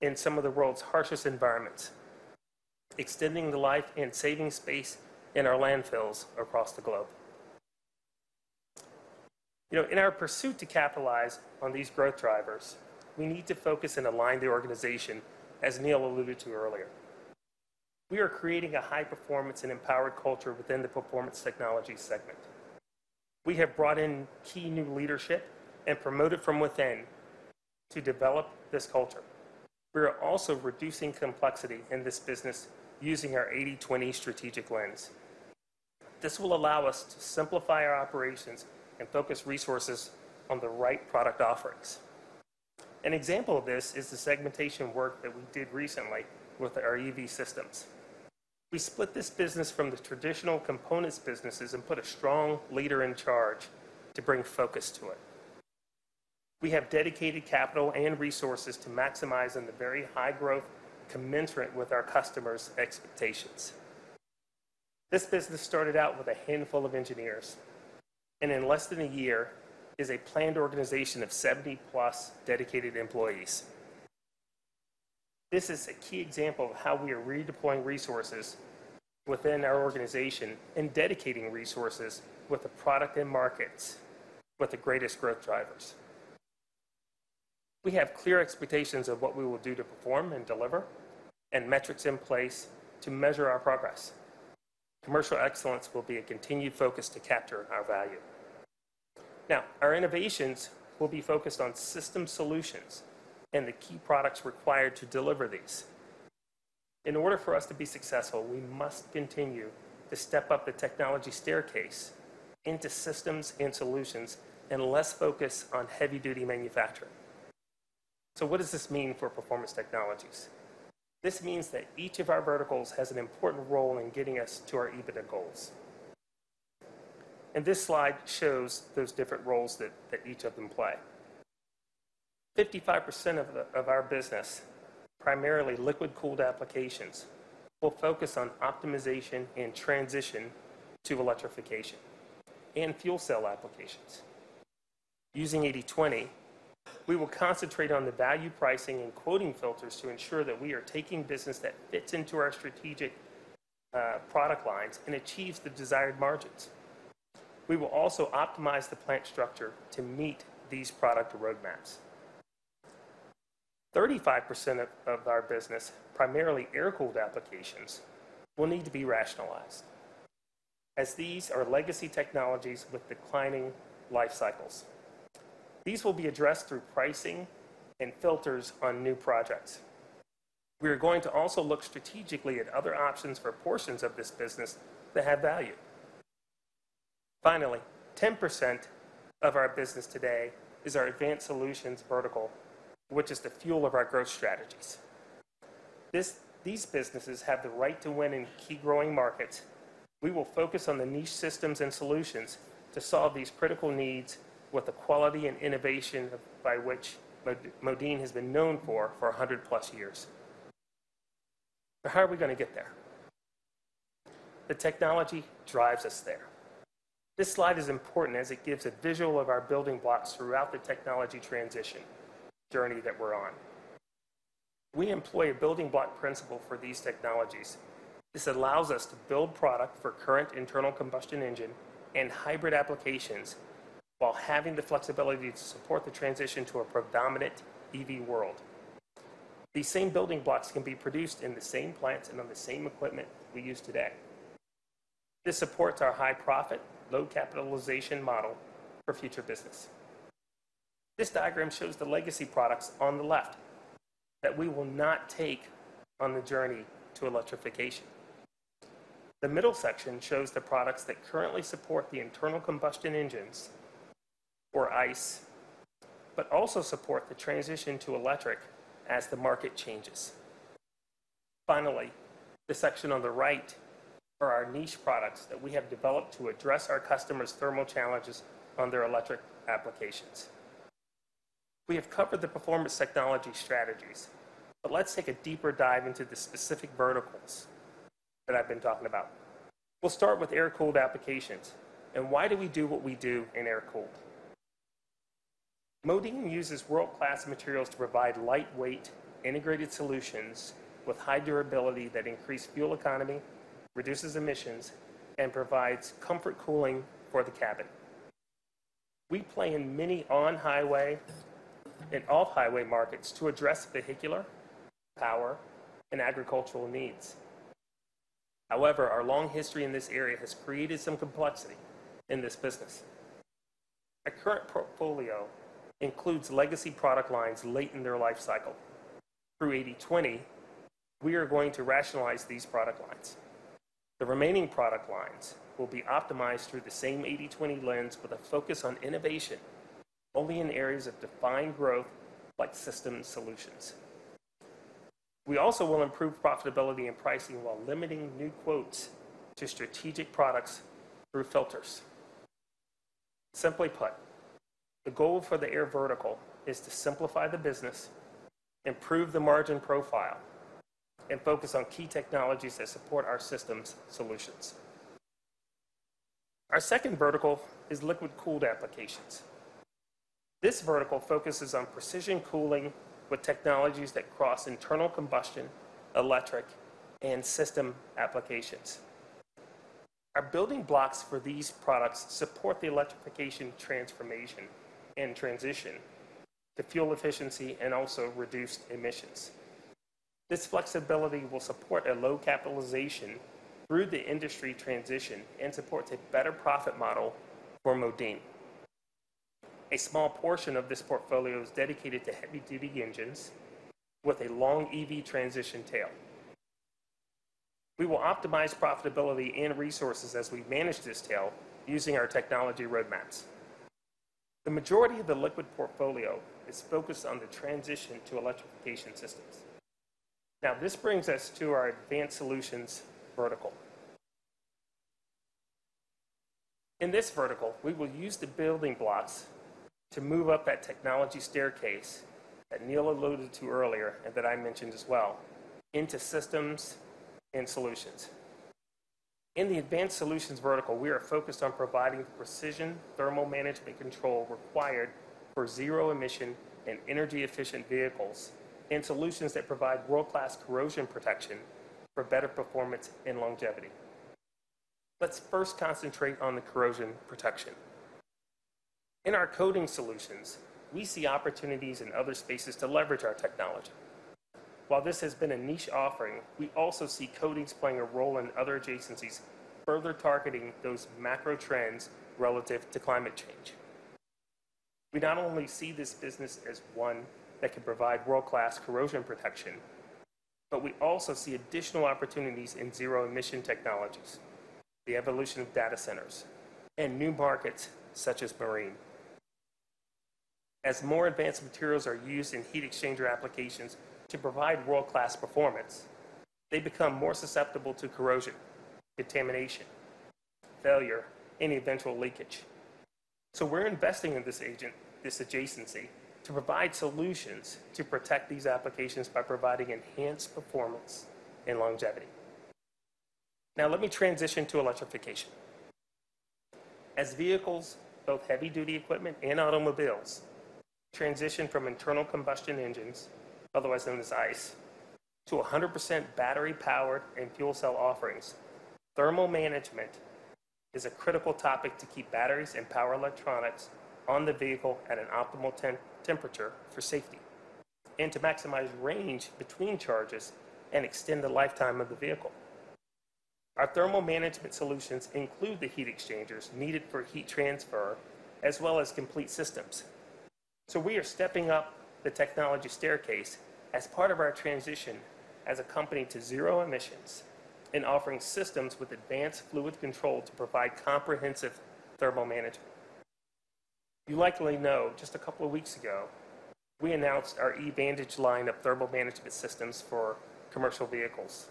in some of the world's harshest environments, extending the life and saving space in our landfills across the globe. You know, in our pursuit to capitalize on these growth drivers, we need to focus and align the organization, as Neil alluded to earlier. We are creating a high-performance and empowered culture within the Performance Technologies segment. We have brought in key new leadership and promoted from within to develop this culture. We are also reducing complexity in this business using our 80/20 strategic lens. This will allow us to simplify our operations and focus resources on the right product offerings. An example of this is the segmentation work that we did recently with our EV systems. We split this business from the traditional components businesses and put a strong leader in charge to bring focus to it. We have dedicated capital and resources to maximize on the very high growth commensurate with our customers' expectations. This business started out with a handful of engineers, and in less than a year is a planned organization of 70+ dedicated employees. This is a key example of how we are redeploying resources within our organization and dedicating resources with the product and markets with the greatest growth drivers. We have clear expectations of what we will do to perform and deliver, and metrics in place to measure our progress. Commercial excellence will be a continued focus to capture our value. Our innovations will be focused on system solutions and the key products required to deliver these. In order for us to be successful, we must continue to step up the technology staircase into systems and solutions and less focus on heavy duty manufacturing. What does this mean for Performance Technologies? This means that each of our verticals has an important role in getting us to our EBITDA goals. This slide shows those different roles that each of them play. 55% of our business, primarily liquid-cooled applications, will focus on optimization and transition to electrification and fuel cell applications. Using 80/20, we will concentrate on the value pricing and quoting filters to ensure that we are taking business that fits into our strategic product lines and achieves the desired margins. We will also optimize the plant structure to meet these product roadmaps. 35% of our business, primarily air-cooled applications, will need to be rationalized, as these are legacy technologies with declining life cycles. These will be addressed through pricing and filters on new projects. We are going to also look strategically at other options for portions of this business that have value. Finally, 10% of our business today is our advanced solutions vertical, which is the fuel of our growth strategies. These businesses have the right to win in key growing markets. We will focus on the niche systems and solutions to solve these critical needs with the quality and innovation by which Modine has been known for a 100+ years. How are we gonna get there? The technology drives us there. This slide is important as it gives a visual of our building blocks throughout the technology transition journey that we're on. We employ a building block principle for these technologies. This allows us to build product for current internal combustion engine and hybrid applications while having the flexibility to support the transition to a predominant EV world. These same building blocks can be produced in the same plants and on the same equipment we use today. This supports our high profit, low capitalization model for future business. This diagram shows the legacy products on the left that we will not take on the journey to electrification. The middle section shows the products that currently support the internal combustion engines or ICE, but also support the transition to electric as the market changes. Finally, the section on the right are our niche products that we have developed to address our customers' thermal challenges on their electric applications. We have covered the Performance Technologies strategies, but let's take a deeper dive into the specific verticals that I've been talking about. We'll start with air-cooled applications and why do we do what we do in air-cooled? Modine uses world-class materials to provide lightweight integrated solutions with high durability that increase fuel economy, reduces emissions, and provides comfort cooling for the cabin. We play in many on-highway and off-highway markets to address vehicular, power, and agricultural needs. However, our long history in this area has created some complexity in this business. Our current portfolio includes legacy product lines late in their life cycle. Through 80/20, we are going to rationalize these product lines. The remaining product lines will be optimized through the same 80/20 lens with a focus on innovation only in areas of defined growth like systems solutions. We also will improve profitability and pricing while limiting new quotes to strategic products through filters. Simply put, the goal for the air vertical is to simplify the business, improve the margin profile, and focus on key technologies that support our systems solutions. Our second vertical is liquid-cooled applications. This vertical focuses on precision cooling with technologies that cross internal combustion, electric, and system applications. Our building blocks for these products support the electrification transformation and transition to fuel efficiency and also reduced emissions. This flexibility will support a low capitalization through the industry transition and supports a better profit model for Modine. A small portion of this portfolio is dedicated to heavy-duty engines with a long EV transition tail. We will optimize profitability and resources as we manage this tail using our technology roadmaps. The majority of the liquid portfolio is focused on the transition to electrification systems. Now, this brings us to our advanced solutions vertical. In this vertical, we will use the building blocks to move up that technology staircase that Neil alluded to earlier, and that I mentioned as well, into systems and solutions. In the advanced solutions vertical, we are focused on providing the precision thermal management control required for zero emission and energy efficient vehicles and solutions that provide world-class corrosion protection for better performance and longevity. Let's first concentrate on the corrosion protection. In our coating solutions, we see opportunities in other spaces to leverage our technology. While this has been a niche offering, we also see coatings playing a role in other adjacencies further targeting those macro trends relative to climate change. We not only see this business as one that can provide world-class corrosion protection, but we also see additional opportunities in zero emission technologies, the evolution of data centers, and new markets such as marine. As more advanced materials are used in heat exchanger applications to provide world-class performance, they become more susceptible to corrosion, contamination, failure, and eventual leakage. We're investing in this agent, this adjacency to provide solutions to protect these applications by providing enhanced performance and longevity. Now let me transition to electrification. As vehicles, both heavy duty equipment and automobiles, transition from internal combustion engines, otherwise known as ICE, to 100% battery power and fuel cell offerings, thermal management is a critical topic to keep batteries and power electronics on the vehicle at an optimal temperature for safety and to maximize range between charges and extend the lifetime of the vehicle. Our thermal management solutions include the heat exchangers needed for heat transfer as well as complete systems. We are stepping up the technology staircase as part of our transition as a company to zero emissions and offering systems with advanced fluid control to provide comprehensive thermal management. You likely know just a couple of weeks ago, we announced our EVantage line of thermal management systems for commercial vehicles,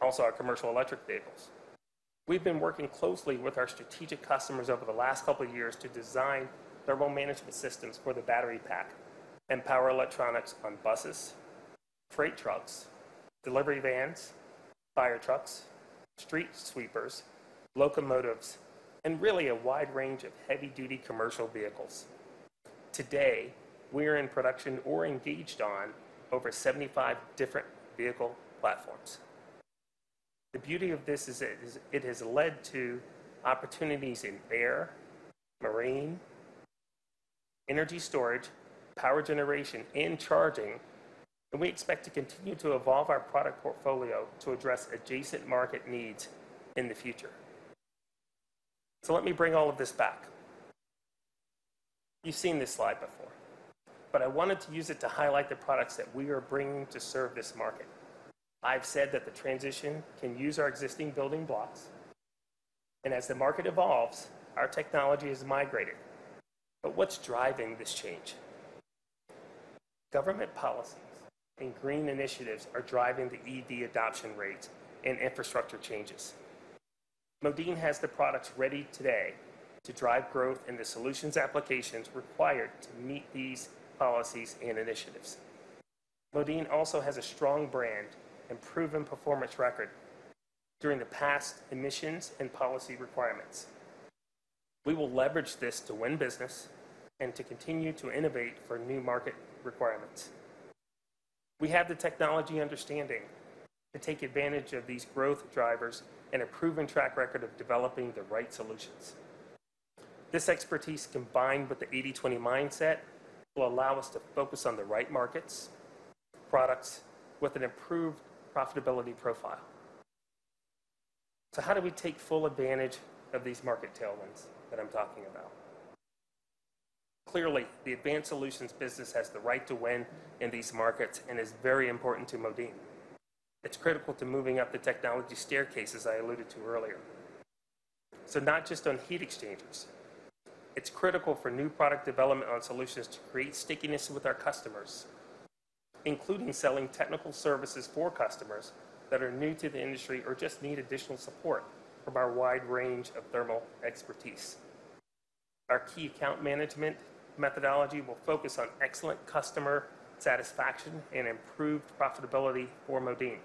also our commercial electric vehicles. We've been working closely with our strategic customers over the last couple of years to design thermal management systems for the battery pack and power electronics on buses, freight trucks, delivery vans, fire trucks, street sweepers, locomotives, and really a wide range of heavy duty commercial vehicles. Today, we are in production or engaged on over 75 different vehicle platforms. The beauty of this is it has led to opportunities in air, marine, energy storage, power generation, and charging, and we expect to continue to evolve our product portfolio to address adjacent market needs in the future. Let me bring all of this back. You've seen this slide before, but I wanted to use it to highlight the products that we are bringing to serve this market. I've said that the transition can use our existing building blocks, and as the market evolves, our technology is migrating. What's driving this change? Government policies and green initiatives are driving the EV adoption rates and infrastructure changes. Modine has the products ready today to drive growth in the solutions applications required to meet these policies and initiatives. Modine also has a strong brand and proven performance record during the past emissions and policy requirements. We will leverage this to win business and to continue to innovate for new market requirements. We have the technology understanding to take advantage of these growth drivers and a proven track record of developing the right solutions. This expertise combined with the 80/20 mindset will allow us to focus on the right markets, products with an improved profitability profile. How do we take full advantage of these market tailwinds that I'm talking about? Clearly, the advanced solutions business has the right to win in these markets and is very important to Modine. It's critical to moving up the technology staircase, as I alluded to earlier. Not just on heat exchangers. It's critical for new product development on solutions to create stickiness with our customers, including selling technical services for customers that are new to the industry or just need additional support from our wide range of thermal expertise. Our key account management methodology will focus on excellent customer satisfaction and improved profitability for Modine,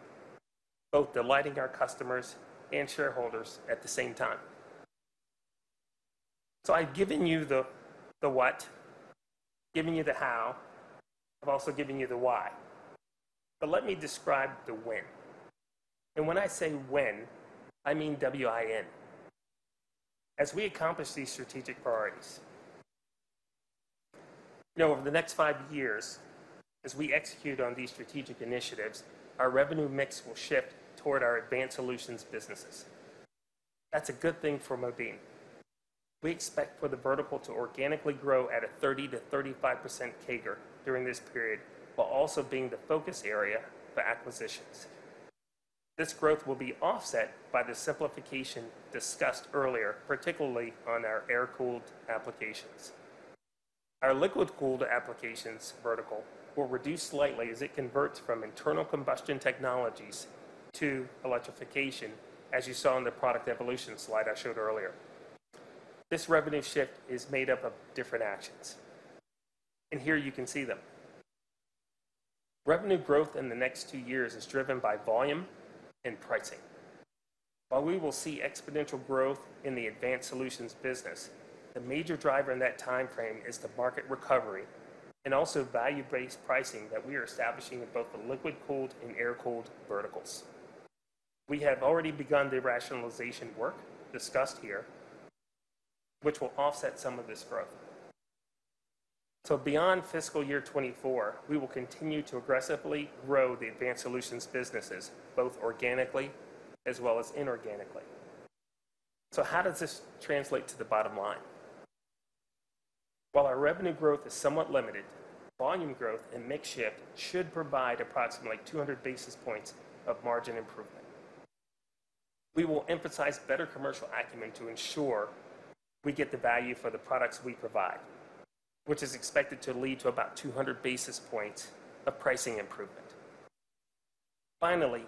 both delighting our customers and shareholders at the same time. I've given you the what, given you the how, I've also given you the why. Let me describe the win. When I say win, I mean W-I-N. As we accomplish these strategic priorities, you know, over the next five years, as we execute on these strategic initiatives, our revenue mix will shift toward our advanced solutions businesses. That's a good thing for Modine. We expect for the vertical to organically grow at a 30% to 35% CAGR during this period, while also being the focus area for acquisitions. This growth will be offset by the simplification discussed earlier, particularly on our air-cooled applications. Our liquid-cooled applications vertical will reduce slightly as it converts from internal combustion technologies to electrification, as you saw in the product evolution slide I showed earlier. This revenue shift is made up of different actions, and here you can see them. Revenue growth in the next two years is driven by volume and pricing. While we will see exponential growth in the advanced solutions business, the major driver in that time frame is the market recovery and also value-based pricing that we are establishing in both the liquid-cooled and air-cooled verticals. We have already begun the rationalization work discussed here, which will offset some of this growth. Beyond fiscal year 2024, we will continue to aggressively grow the advanced solutions businesses, both organically as well as inorganically. How does this translate to the bottom line? While our revenue growth is somewhat limited, volume growth and mix shift should provide approximately 200 basis points of margin improvement. We will emphasize better commercial acumen to ensure we get the value for the products we provide, which is expected to lead to about 200 basis points of pricing improvement. Finally,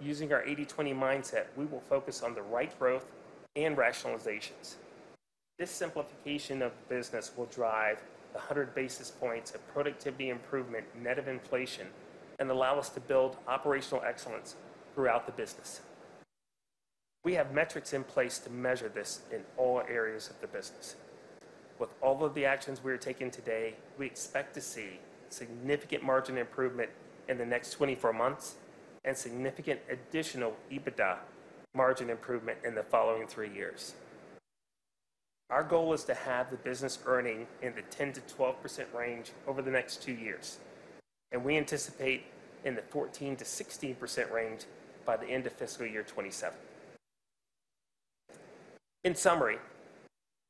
using our 80/20 mindset, we will focus on the right growth and rationalizations. This simplification of business will drive 100 basis points of productivity improvement net of inflation and allow us to build operational excellence throughout the business. We have metrics in place to measure this in all areas of the business. With all of the actions we are taking today, we expect to see significant margin improvement in the next 24 months and significant additional EBITDA margin improvement in the following three years. Our goal is to have the business earning in the 10% to 12% range over the next two years, and we anticipate in the 14% to 16% range by the end of fiscal year 2027. In summary,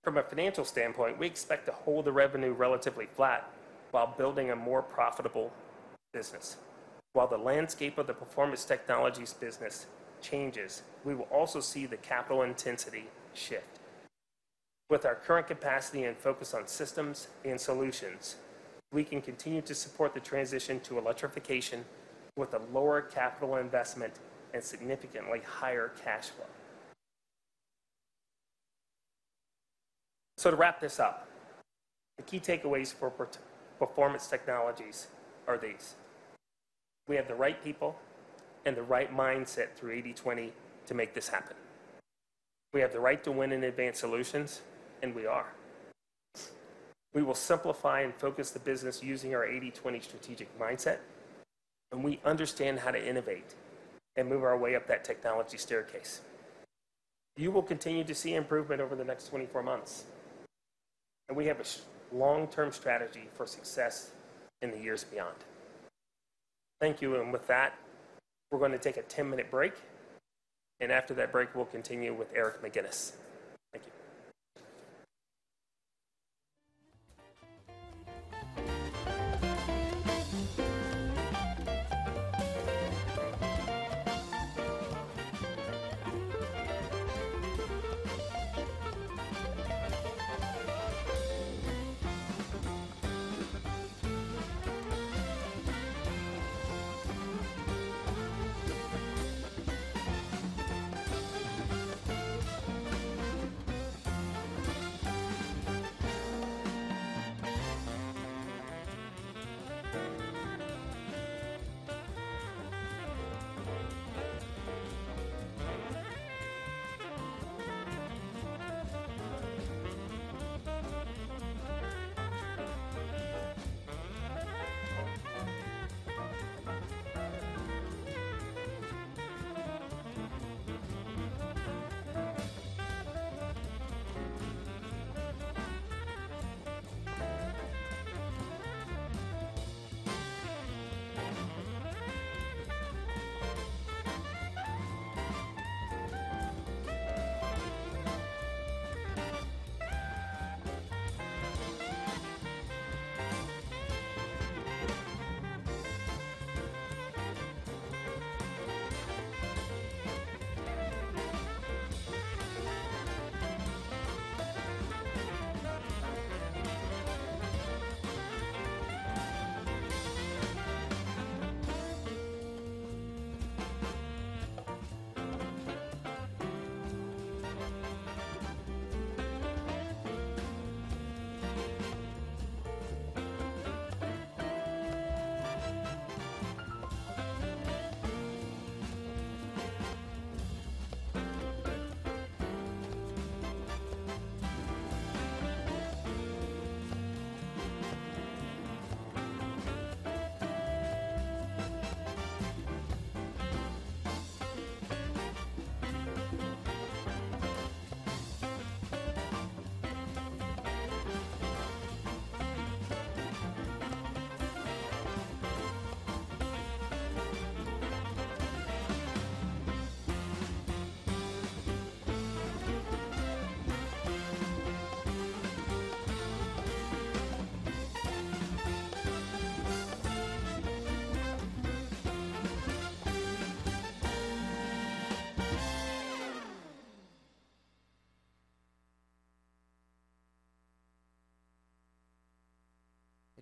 from a financial standpoint, we expect to hold the revenue relatively flat while building a more profitable business. While the landscape of the Performance Technologies business changes, we will also see the capital intensity shift. With our current capacity and focus on systems and solutions, we can continue to support the transition to electrification with a lower capital investment and significantly higher cash flow. To wrap this up, the key takeaways for Performance Technologies are these. We have the right people and the right mindset through 80/20 to make this happen. We have the right to win in advanced solutions, and we are. We will simplify and focus the business using our 80/20 strategic mindset, and we understand how to innovate and move our way up that technology staircase. You will continue to see improvement over the next 24 months, and we have a long-term strategy for success in the years beyond. Thank you with that, we're gonna take a 10-minute break, and after that break, we'll continue with Eric McGinnis.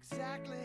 Thank you.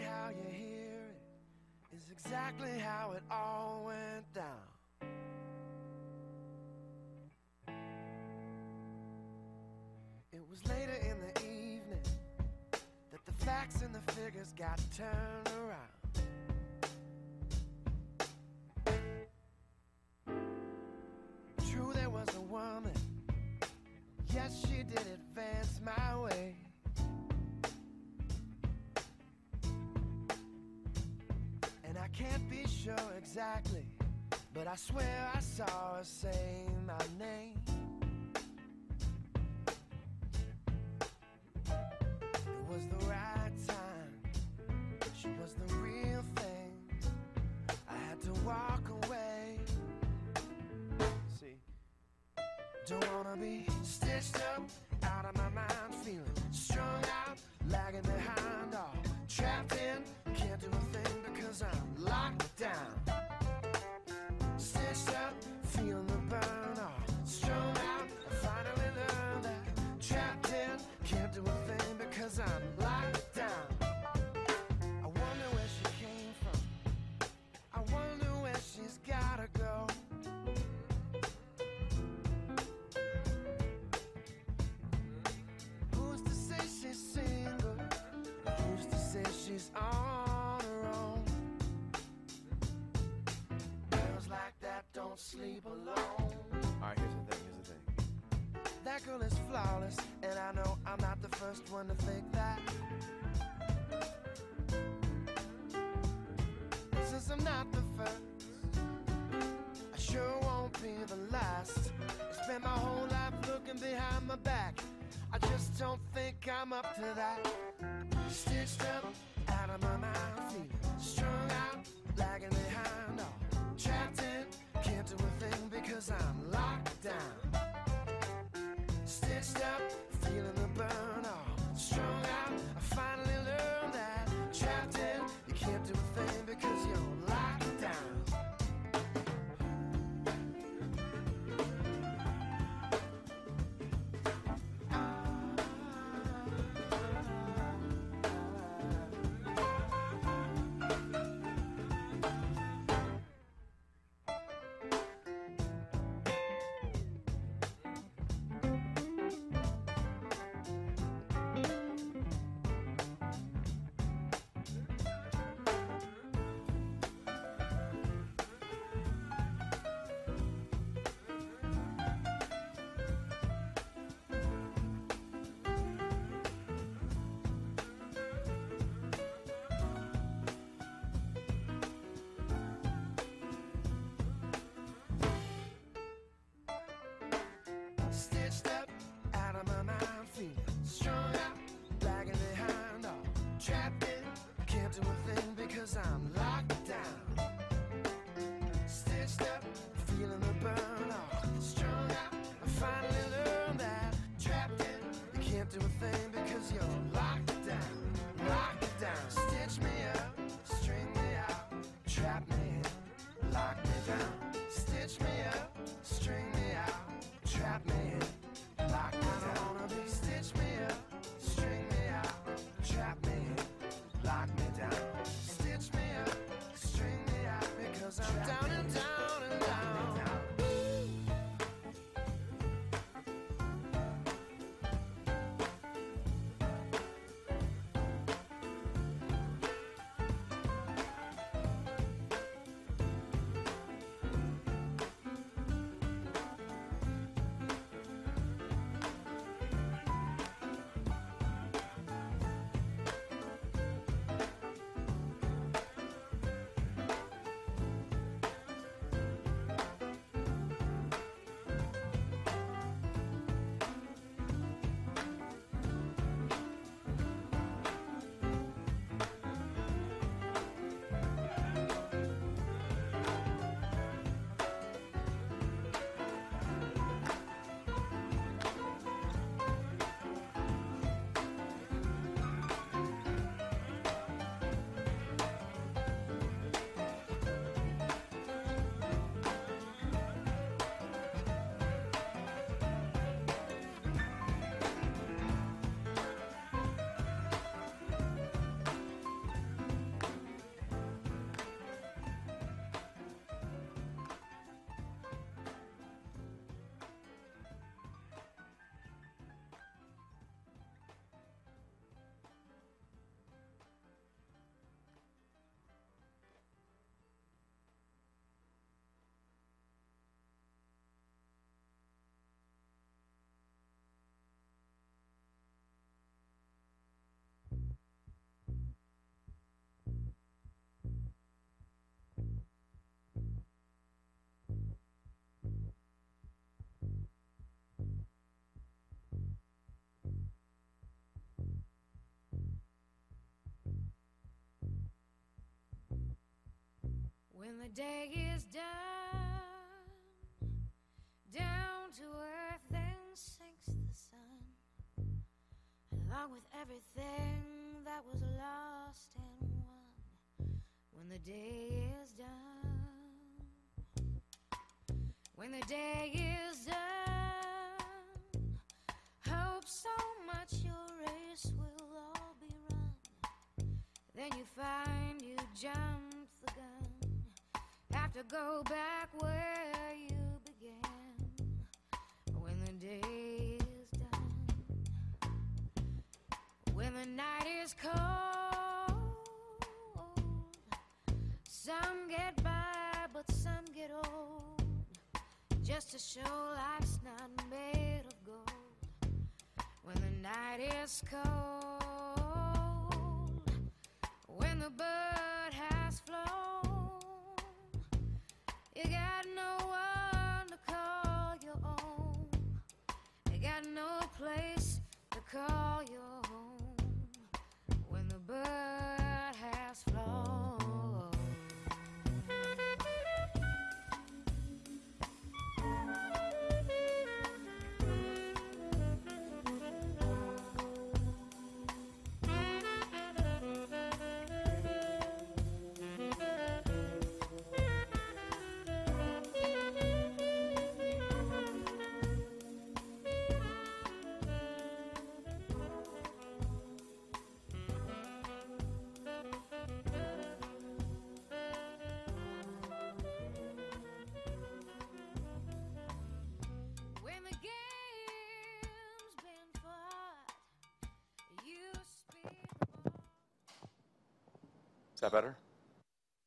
Is that better?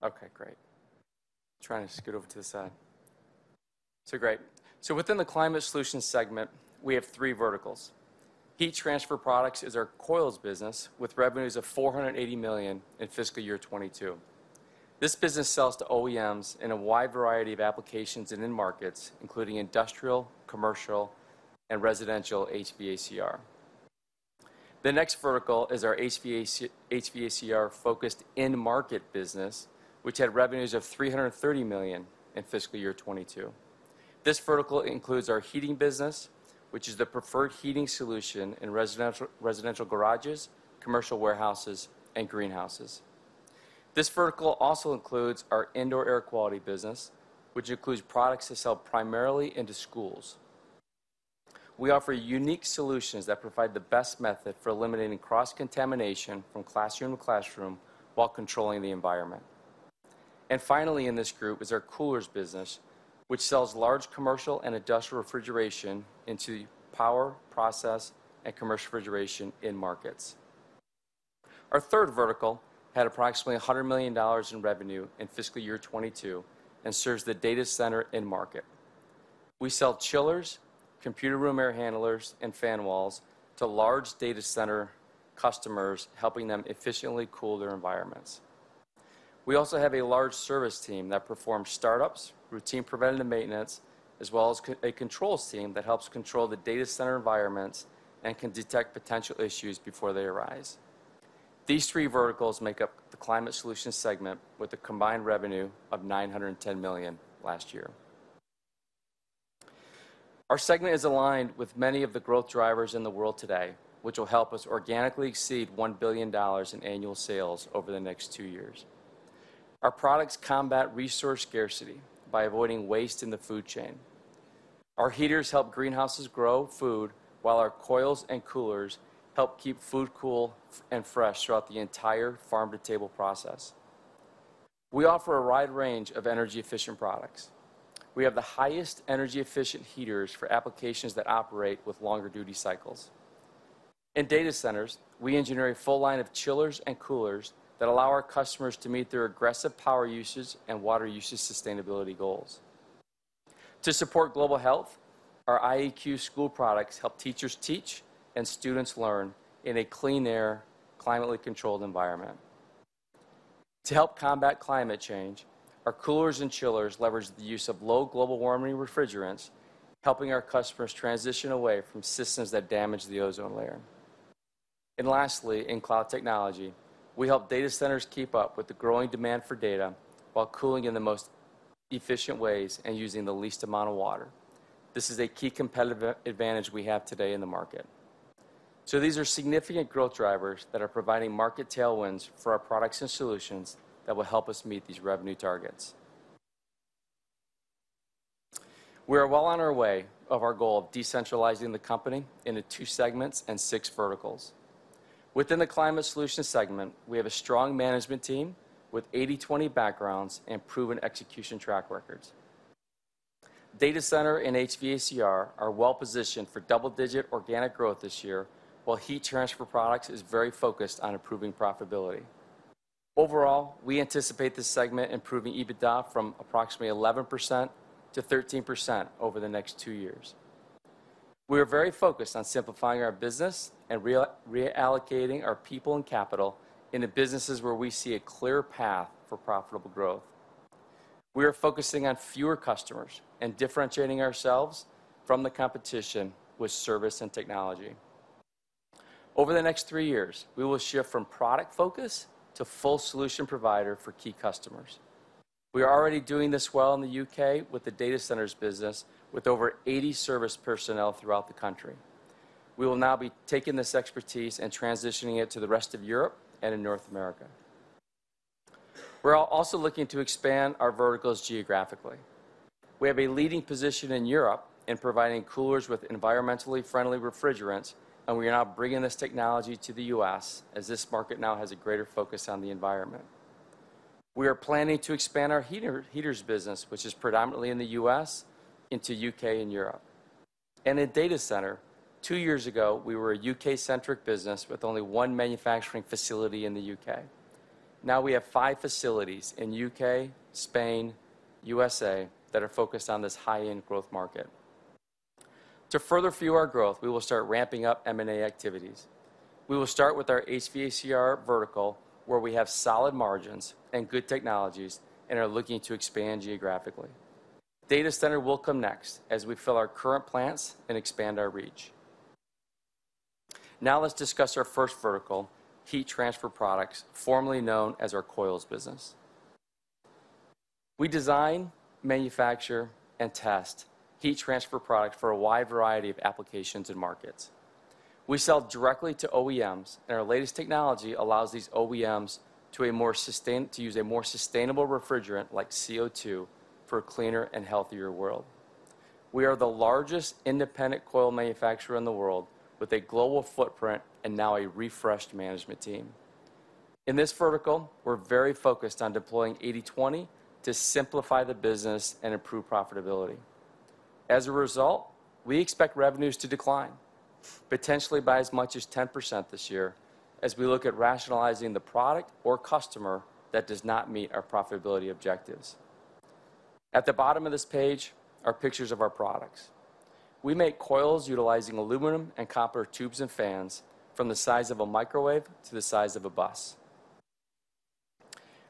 Okay, great. Trying to scoot over to the side. Great. Within the Climate Solutions segment, we have three verticals. Heat transfer products is our coils business with revenues of $480 million in fiscal year 2022. This business sells to OEMs in a wide variety of applications and end markets, including industrial, commercial, and residential HVACR. The next vertical is our HVACR-focused end market business, which had revenues of $330 million in fiscal year 2022. This vertical includes our heating business, which is the preferred heating solution in residential garages, commercial warehouses, and greenhouses. This vertical also includes our indoor air quality business, which includes products that sell primarily into schools. We offer unique solutions that provide the best method for eliminating cross-contamination from classroom to classroom while controlling the environment. Finally in this group is our coolers business, which sells large commercial and industrial refrigeration into power, process, and commercial refrigeration end markets. Our third vertical had approximately $100 million in revenue in fiscal year 2022 and serves the data center end market. We sell chillers, computer room air handlers, and fan walls to large data center customers, helping them efficiently cool their environments. We also have a large service team that performs startups, routine preventative maintenance, as well as a controls team that helps control the data center environments and can detect potential issues before they arise. These three verticals make up the Climate Solutions segment with a combined revenue of $910 million last year. Our segment is aligned with many of the growth drivers in the world today, which will help us organically exceed $1 billion in annual sales over the next two years. Our products combat resource scarcity by avoiding waste in the food chain. Our heaters help greenhouses grow food, while our coils and coolers help keep food cool and fresh throughout the entire farm-to-table process. We offer a wide range of energy-efficient products. We have the highest energy-efficient heaters for applications that operate with longer duty cycles. In data centers, we engineer a full line of chillers and coolers that allow our customers to meet their aggressive power usage and water usage sustainability goals. To support global health, our IAQ school products help teachers teach and students learn in a clean air, climatically controlled environment. To help combat climate change, our coolers and chillers leverage the use of low global warming refrigerants, helping our customers transition away from systems that damage the ozone layer. Lastly, in cloud technology, we help data centers keep up with the growing demand for data while cooling in the most efficient ways and using the least amount of water. This is a key competitive advantage we have today in the market. These are significant growth drivers that are providing market tailwinds for our products and solutions that will help us meet these revenue targets. We are well on our way of our goal of decentralizing the company into two segments and six verticals. Within the Climate Solutions segment, we have a strong management team with 80/20 backgrounds and proven execution track records. Data center and HVACR are well-positioned for double-digit organic growth this year, while heat transfer products is very focused on improving profitability. Overall, we anticipate this segment improving EBITDA from approximately 11% to 13% over the next two years. We are very focused on simplifying our business and reallocating our people and capital into businesses where we see a clear path for profitable growth. We are focusing on fewer customers and differentiating ourselves from the competition with service and technology. Over the next three years, we will shift from product focus to full solution provider for key customers. We are already doing this well in the U.K. with the data centers business with over 80 service personnel throughout the country. We will now be taking this expertise and transitioning it to the rest of Europe and in North America. We're also looking to expand our verticals geographically. We have a leading position in Europe in providing coolers with environmentally friendly refrigerants, and we are now bringing this technology to the U.S. as this market now has a greater focus on the environment. We are planning to expand our heaters business, which is predominantly in the U.S., into U.K. and Europe. In data center, two years ago, we were a U.K.-centric business with only one manufacturing facility in the U.K. Now we have five facilities in U.K., Spain, U.S. that are focused on this high-end growth market. To further fuel our growth, we will start ramping up M&A activities. We will start with our HVACR vertical, where we have solid margins and good technologies and are looking to expand geographically. Data center will come next as we fill our current plants and expand our reach. Now let's discuss our first vertical, heat transfer products, formerly known as our coils business. We design, manufacture, and test heat transfer product for a wide variety of applications and markets. We sell directly to OEMs, and our latest technology allows these OEMs to use a more sustainable refrigerant like CO2 for a cleaner and healthier world. We are the largest independent coil manufacturer in the world with a global footprint and now a refreshed management team. In this vertical, we're very focused on deploying 80/20 to simplify the business and improve profitability. As a result, we expect revenues to decline, potentially by as much as 10% this year, as we look at rationalizing the product or customer that does not meet our profitability objectives. At the bottom of this page are pictures of our products. We make coils utilizing aluminum and copper tubes and fans from the size of a microwave to the size of a bus.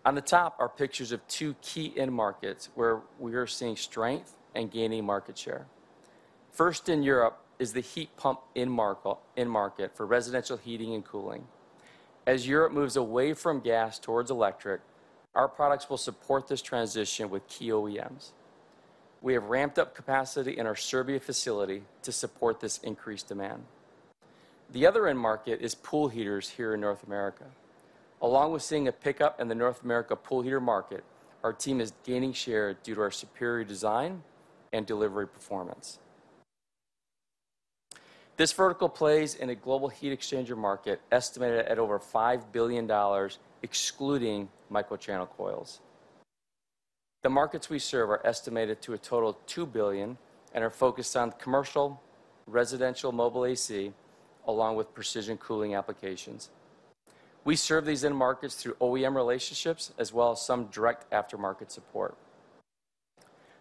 On the top are pictures of two key end markets where we are seeing strength and gaining market share. First in Europe is the heat pump end market for residential heating and cooling. As Europe moves away from gas towards electric, our products will support this transition with key OEMs. We have ramped up capacity in our Serbia facility to support this increased demand. The other end market is pool heaters here in North America. Along with seeing a pickup in the North America pool heater market, our team is gaining share due to our superior design and delivery performance. This vertical plays in a global heat exchanger market estimated at over $5 billion, excluding microchannel coils. The markets we serve are estimated to a total of $2 billion and are focused on commercial, residential, mobile AC, along with precision cooling applications. We serve these end markets through OEM relationships as well as some direct aftermarket support.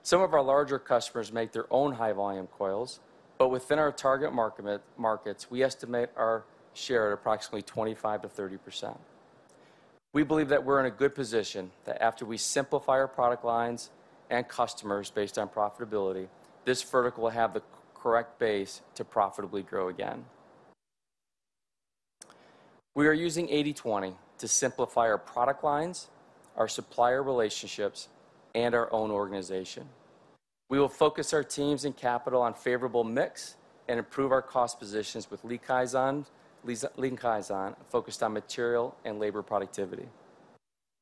Some of our larger customers make their own high volume coils, but within our target market, we estimate our share at approximately 25% to 30%. We believe that we're in a good position that after we simplify our product lines and customers based on profitability, this vertical will have the correct base to profitably grow again. We are using 80/20 to simplify our product lines, our supplier relationships, and our own organization. We will focus our teams and capital on favorable mix and improve our cost positions with Lean Kaizen focused on material and labor productivity.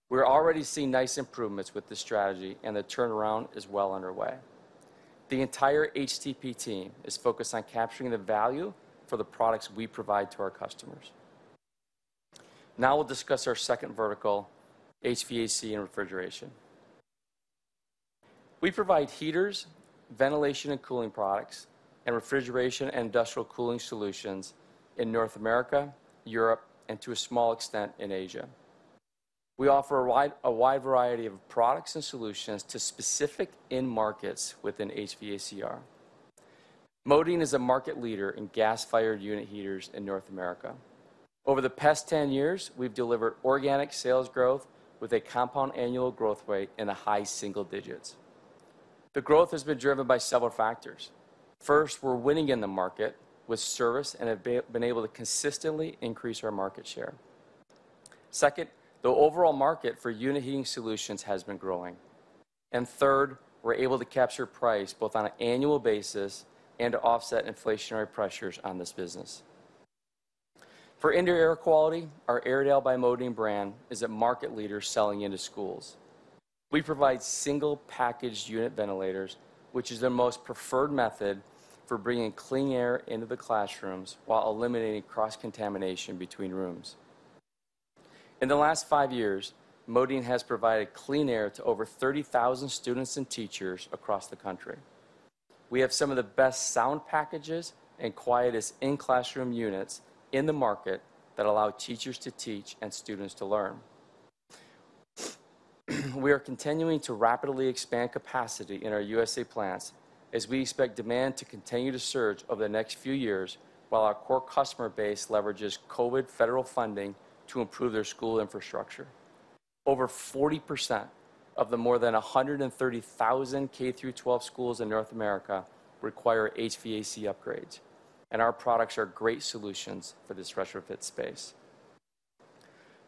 We're already seeing nice improvements with this strategy and the turnaround is well underway. The entire HTP team is focused on capturing the value for the products we provide to our customers. Now we'll discuss our second vertical, HVAC and refrigeration. We provide heaters, ventilation and cooling products, and refrigeration and industrial cooling solutions in North America, Europe, and to a small extent, in Asia. We offer a wide variety of products and solutions to specific end markets within HVACR. Modine is a market leader in gas-fired unit heaters in North America. Over the past 10 years, we've delivered organic sales growth with a compound annual growth rate in the high single digits. The growth has been driven by several factors. First, we're winning in the market with service and have been able to consistently increase our market share. Second, the overall market for unit heating solutions has been growing. Third, we're able to capture price both on an annual basis and to offset inflationary pressures on this business. For indoor air quality, our Airedale by Modine brand is a market leader selling into schools. We provide single packaged unit ventilators, which is the most preferred method for bringing clean air into the classrooms while eliminating cross-contamination between rooms. In the last five years, Modine has provided clean air to over 30,000 students and teachers across the country. We have some of the best sound packages and quietest in-classroom units in the market that allow teachers to teach and students to learn. We are continuing to rapidly expand capacity in our USA plants as we expect demand to continue to surge over the next few years while our core customer base leverages COVID federal funding to improve their school infrastructure. Over 40% of the more than 130,000 K-12 schools in North America require HVAC upgrades, and our products are great solutions for this retrofit space.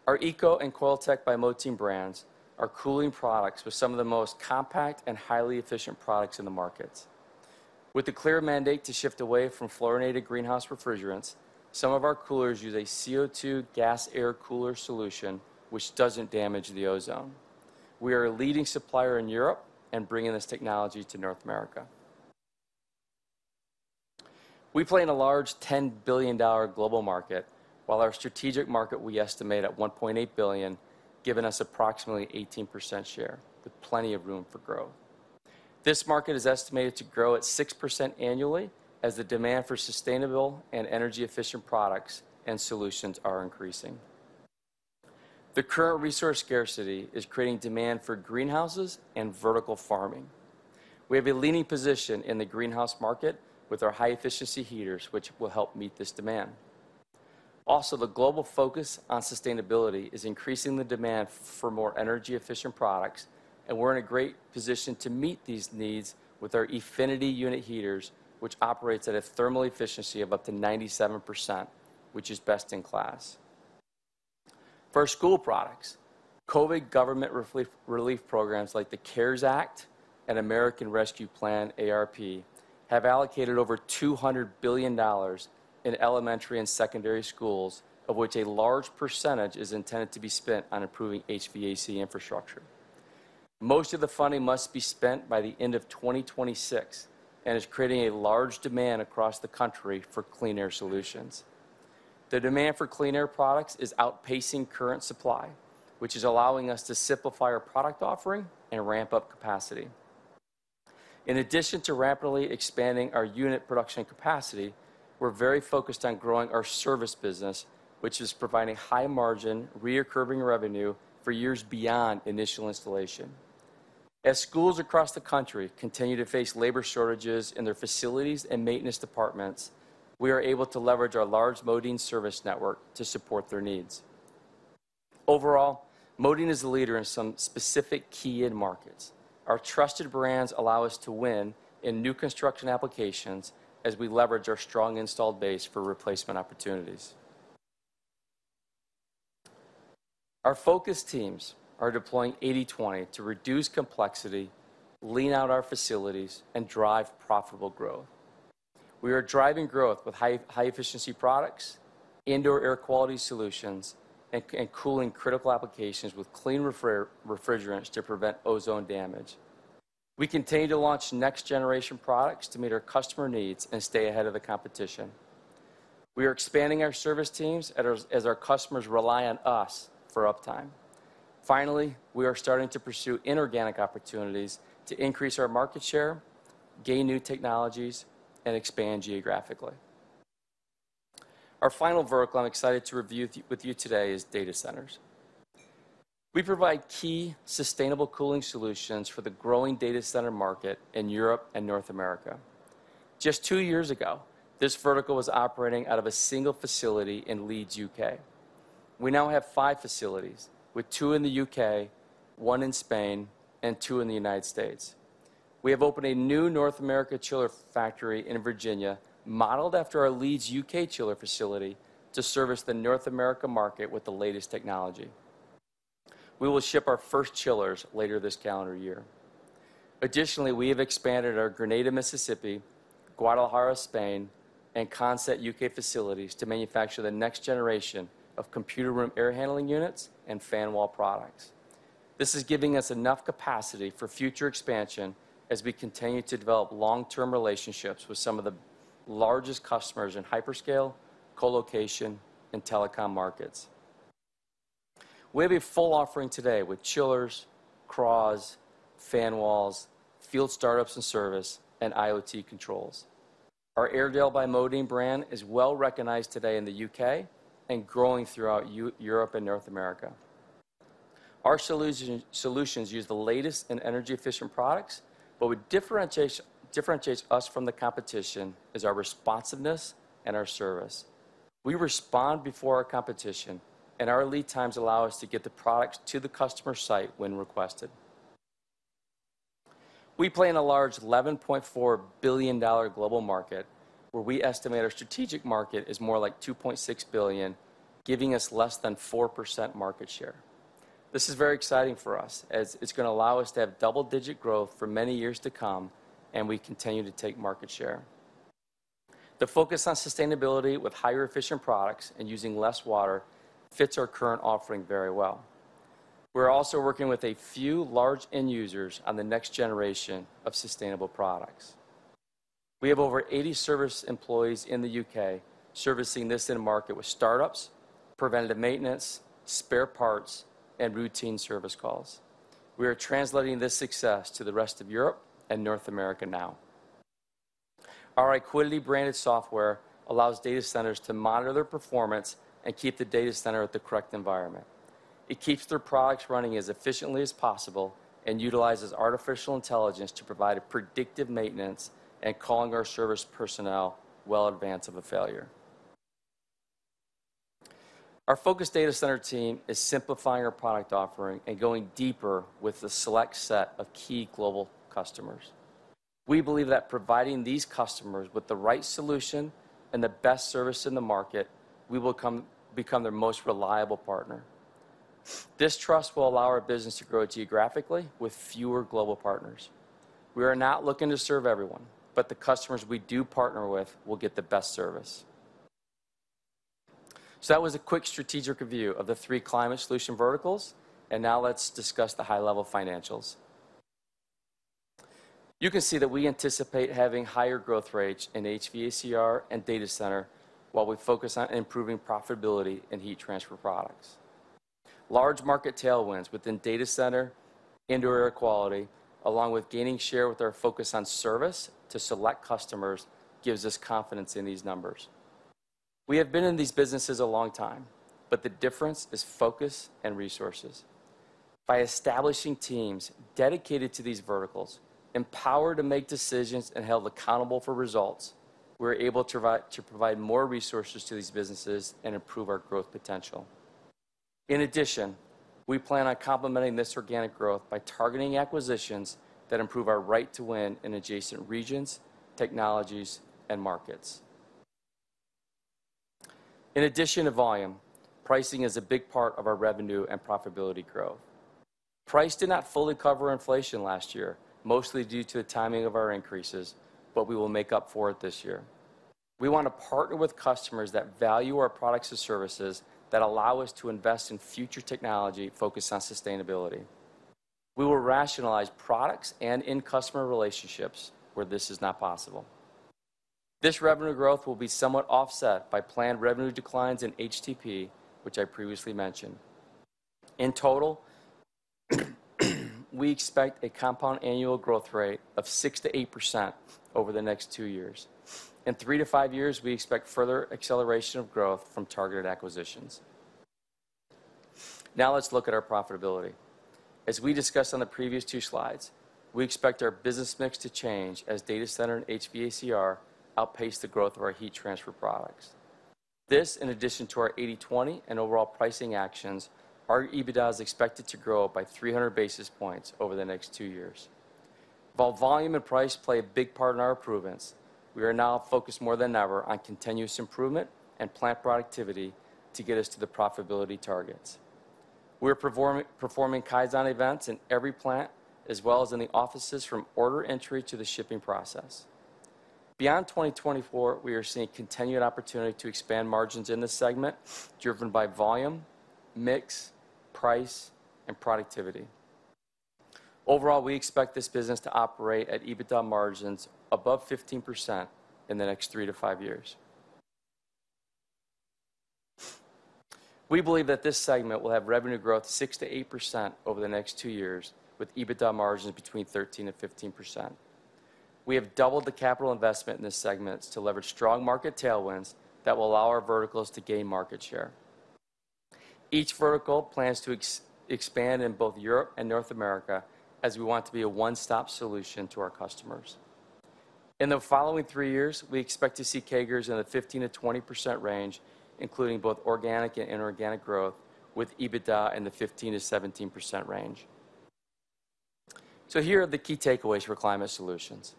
Our ECO and Coiltech by Modine brands are cooling products with some of the most compact and highly efficient products in the market. With the clear mandate to shift away from fluorinated greenhouse refrigerants, some of our coolers use a CO2 gas air cooler solution which doesn't damage the ozone. We are a leading supplier in Europe and bringing this technology to North America. We play in a large $10 billion global market, while our strategic market we estimate at $1.8 billion, giving us approximately 18% share with plenty of room for growth. This market is estimated to grow at 6% annually as the demand for sustainable and energy-efficient products and solutions are increasing. The current resource scarcity is creating demand for greenhouses and vertical farming. We have a leading position in the greenhouse market with our high-efficiency heaters, which will help meet this demand. Also, the global focus on sustainability is increasing the demand for more energy-efficient products, and we're in a great position to meet these needs with our Effinity unit heaters, which operates at a thermal efficiency of up to 97%, which is best in class. For our school products, COVID government relief programs like the CARES Act and American Rescue Plan, ARP, have allocated over $200 billion in elementary and secondary schools, of which a large percentage is intended to be spent on improving HVAC infrastructure. Most of the funding must be spent by the end of 2026 and is creating a large demand across the country for clean air solutions. The demand for clean air products is outpacing current supply, which is allowing us to simplify our product offering and ramp up capacity. In addition to rapidly expanding our unit production capacity, we're very focused on growing our service business, which is providing high margin, reoccurring revenue for years beyond initial installation. As schools across the country continue to face labor shortages in their facilities and maintenance departments, we are able to leverage our large Modine service network to support their needs. Overall, Modine is a leader in some specific key end markets. Our trusted brands allow us to win in new construction applications as we leverage our strong installed base for replacement opportunities. Our focus teams are deploying 80/20 to reduce complexity, lean out our facilities, and drive profitable growth. We are driving growth with high-efficiency products, indoor air quality solutions, and cooling critical applications with clean refrigerants to prevent ozone damage. We continue to launch next generation products to meet our customer needs and stay ahead of the competition. We are expanding our service teams as our customers rely on us for uptime. Finally, we are starting to pursue inorganic opportunities to increase our market share, gain new technologies, and expand geographically. Our final vertical I'm excited to review with you today is data centers. We provide key sustainable cooling solutions for the growing data center market in Europe and North America. Just two years ago, this vertical was operating out of a single facility in Leeds, U.K. We now have five facilities, with two in the U.K., one in Spain, and two in the United States. We have opened a new North America chiller factory in Virginia, modeled after our Leeds, U.K. chiller facility, to service the North America market with the latest technology. We will ship our first chillers later this calendar year. Additionally, we have expanded our Grenada, Mississippi, Guadalajara, Spain, and Consett, U.K. facilities to manufacture the next generation of computer room air handling units and fan wall products. This is giving us enough capacity for future expansion as we continue to develop long-term relationships with some of the largest customers in hyperscale, colocation, and telecom markets. We have a full offering today with chillers, CRAHs, fan walls, field startups and service, and IoT controls. Our Airedale by Modine brand is well-recognized today in the UK and growing throughout Europe and North America. Our solutions use the latest in energy-efficient products, but what differentiates us from the competition is our responsiveness and our service. We respond before our competition, and our lead times allow us to get the products to the customer site when requested. We play in a large $11.4 billion global market, where we estimate our strategic market is more like $2.6 billion, giving us less than 4% market share. This is very exciting for us, as it's gonna allow us to have double-digit growth for many years to come, and we continue to take market share. The focus on sustainability with higher efficient products and using less water fits our current offering very well. We're also working with a few large end users on the next generation of sustainable products. We have over 80 service employees in the UK servicing this end market with startups, preventative maintenance, spare parts, and routine service calls. We are translating this success to the rest of Europe and North America now. Our IQity-branded software allows data centers to monitor their performance and keep the data center at the correct environment. It keeps their products running as efficiently as possible and utilizes artificial intelligence to provide a predictive maintenance and calling our service personnel well in advance of a failure. Our focus data center team is simplifying our product offering and going deeper with a select set of key global customers. We believe that providing these customers with the right solution and the best service in the market, we will become their most reliable partner. This trust will allow our business to grow geographically with fewer global partners. We are not looking to serve everyone, but the customers we do partner with will get the best service. That was a quick strategic review of the three Climate Solutions verticals, and now let's discuss the high-level financials. You can see that we anticipate having higher growth rates in HVACR and data center while we focus on improving profitability in heat transfer products. Large market tailwinds within data center, indoor air quality, along with gaining share with our focus on service to select customers gives us confidence in these numbers. We have been in these businesses a long time, but the difference is focus and resources. By establishing teams dedicated to these verticals, empowered to make decisions and held accountable for results, we're able to provide more resources to these businesses and improve our growth potential. In addition, we plan on complementing this organic growth by targeting acquisitions that improve our right to win in adjacent regions, technologies, and markets. In addition to volume, pricing is a big part of our revenue and profitability growth. Price did not fully cover inflation last year, mostly due to the timing of our increases, but we will make up for it this year. We wanna partner with customers that value our products and services that allow us to invest in future technology focused on sustainability. We will rationalize products and end customer relationships where this is not possible. This revenue growth will be somewhat offset by planned revenue declines in HTP, which I previously mentioned. In total, we expect a compound annual growth rate of 6% to 8% over the next two years. In three to five years, we expect further acceleration of growth from targeted acquisitions. Now let's look at our profitability. As we discussed on the previous two slides, we expect our business mix to change as data center and HVACR outpace the growth of our heat transfer products. This, in addition to our 80/20 and overall pricing actions, our EBITDA is expected to grow by 300 basis points over the next two years. While volume and price play a big part in our improvements, we are now focused more than ever on continuous improvement and plant productivity to get us to the profitability targets. We are performing Kaizen events in every plant, as well as in the offices from order entry to the shipping process. Beyond 2024, we are seeing continued opportunity to expand margins in this segment driven by volume, mix, price, and productivity. Overall, we expect this business to operate at EBITDA margins above 15% in the next three to five years. We believe that this segment will have revenue growth 6% to 8% over the next two years, with EBITDA margins between 13% and 15%. We have doubled the capital investment in this segment to leverage strong market tailwinds that will allow our verticals to gain market share. Each vertical plans to expand in both Europe and North America as we want to be a one-stop solution to our customers. In the following three years, we expect to see CAGRs in the 15% to 20% range, including both organic and inorganic growth, with EBITDA in the 15% to 17% range. Here are the key takeaways for Climate Solutions.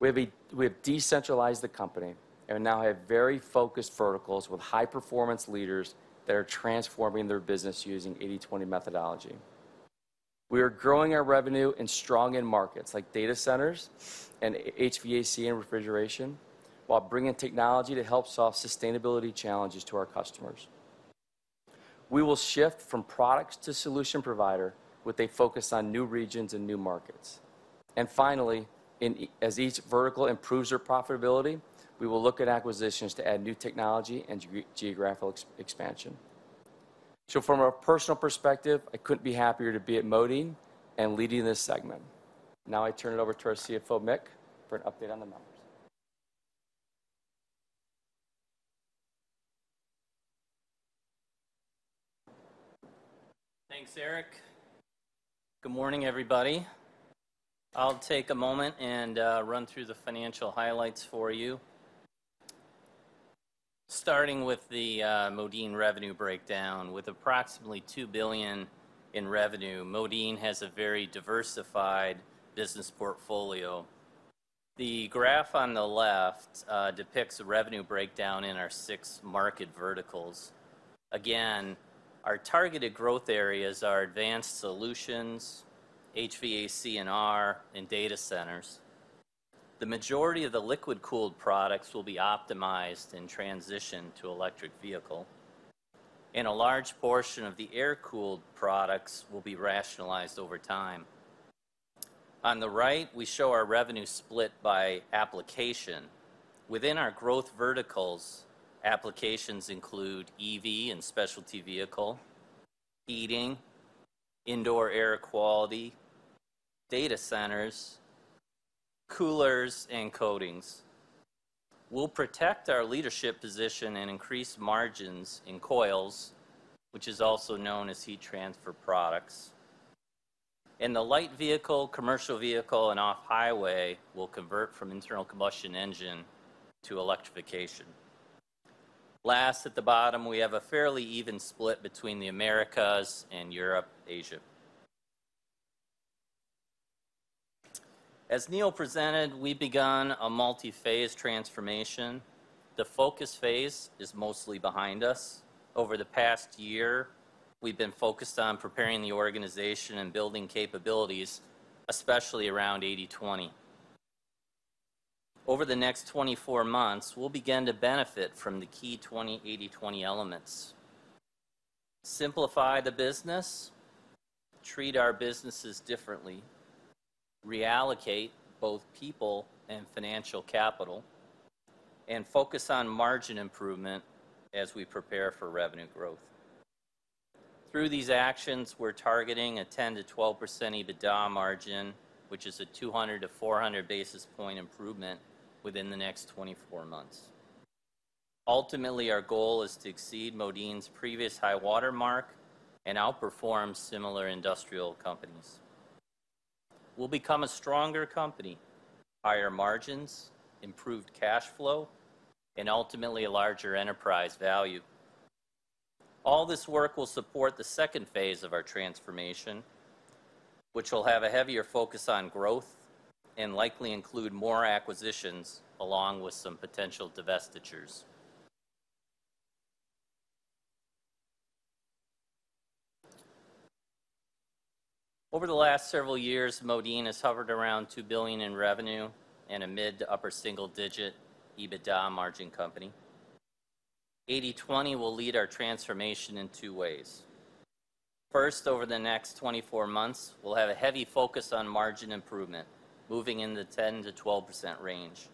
We have decentralized the company and now have very focused verticals with high-performance leaders that are transforming their business using 80/20 methodology. We are growing our revenue in strong end markets like data centers and HVAC and refrigeration, while bringing technology to help solve sustainability challenges to our customers. We will shift from products to solution provider with a focus on new regions and new markets. Finally, as each vertical improves their profitability, we will look at acquisitions to add new technology and geographical expansion. From a personal perspective, I couldn't be happier to be at Modine and leading this segment. Now I turn it over to our CFO, Mick, for an update on the numbers. Thanks, Eric. Good morning, everybody. I'll take a moment and run through the financial highlights for you. Starting with the Modine revenue breakdown with approximately $2 billion in revenue, Modine has a very diversified business portfolio. The graph on the left depicts a revenue breakdown in our six market verticals. Again, our targeted growth areas are advanced solutions, HVAC&R, and data centers. The majority of the liquid-cooled products will be optimized and transitioned to electric vehicle, and a large portion of the air-cooled products will be rationalized over time. On the right, we show our revenue split by application. Within our growth verticals, applications include EV and specialty vehicle, heating, indoor air quality, data centers, coolers, and coatings. We'll protect our leadership position and increase margins in coils, which is also known as heat transfer products. In the light vehicle, commercial vehicle, and off-highway, we'll convert from internal combustion engine to electrification. Last, at the bottom, we have a fairly even split between the Americas and Europe, Asia. As Neil presented, we've begun a multi-phase transformation. The focus phase is mostly behind us. Over the past year, we've been focused on preparing the organization and building capabilities, especially around 80/20. Over the next 24 months, we'll begin to benefit from the key 80/20 elements: simplify the business, treat our businesses differently, reallocate both people and financial capital, and focus on margin improvement as we prepare for revenue growth. Through these actions, we're targeting a 10% to 12% EBITDA margin, which is a 200 to 400 basis point improvement within the next 24 months. Ultimately, our goal is to exceed Modine's previous high-water mark and outperform similar industrial companies. We'll become a stronger company, higher margins, improved cash flow, and ultimately a larger enterprise value. All this work will support the second phase of our transformation, which will have a heavier focus on growth and likely include more acquisitions along with some potential divestitures. Over the last several years, Modine has hovered around $2 billion in revenue and a mid to upper single-digit EBITDA margin company. 80/20 will lead our transformation in two ways. First, over the next 24 months, we'll have a heavy focus on margin improvement, moving in the 10% to 12% range.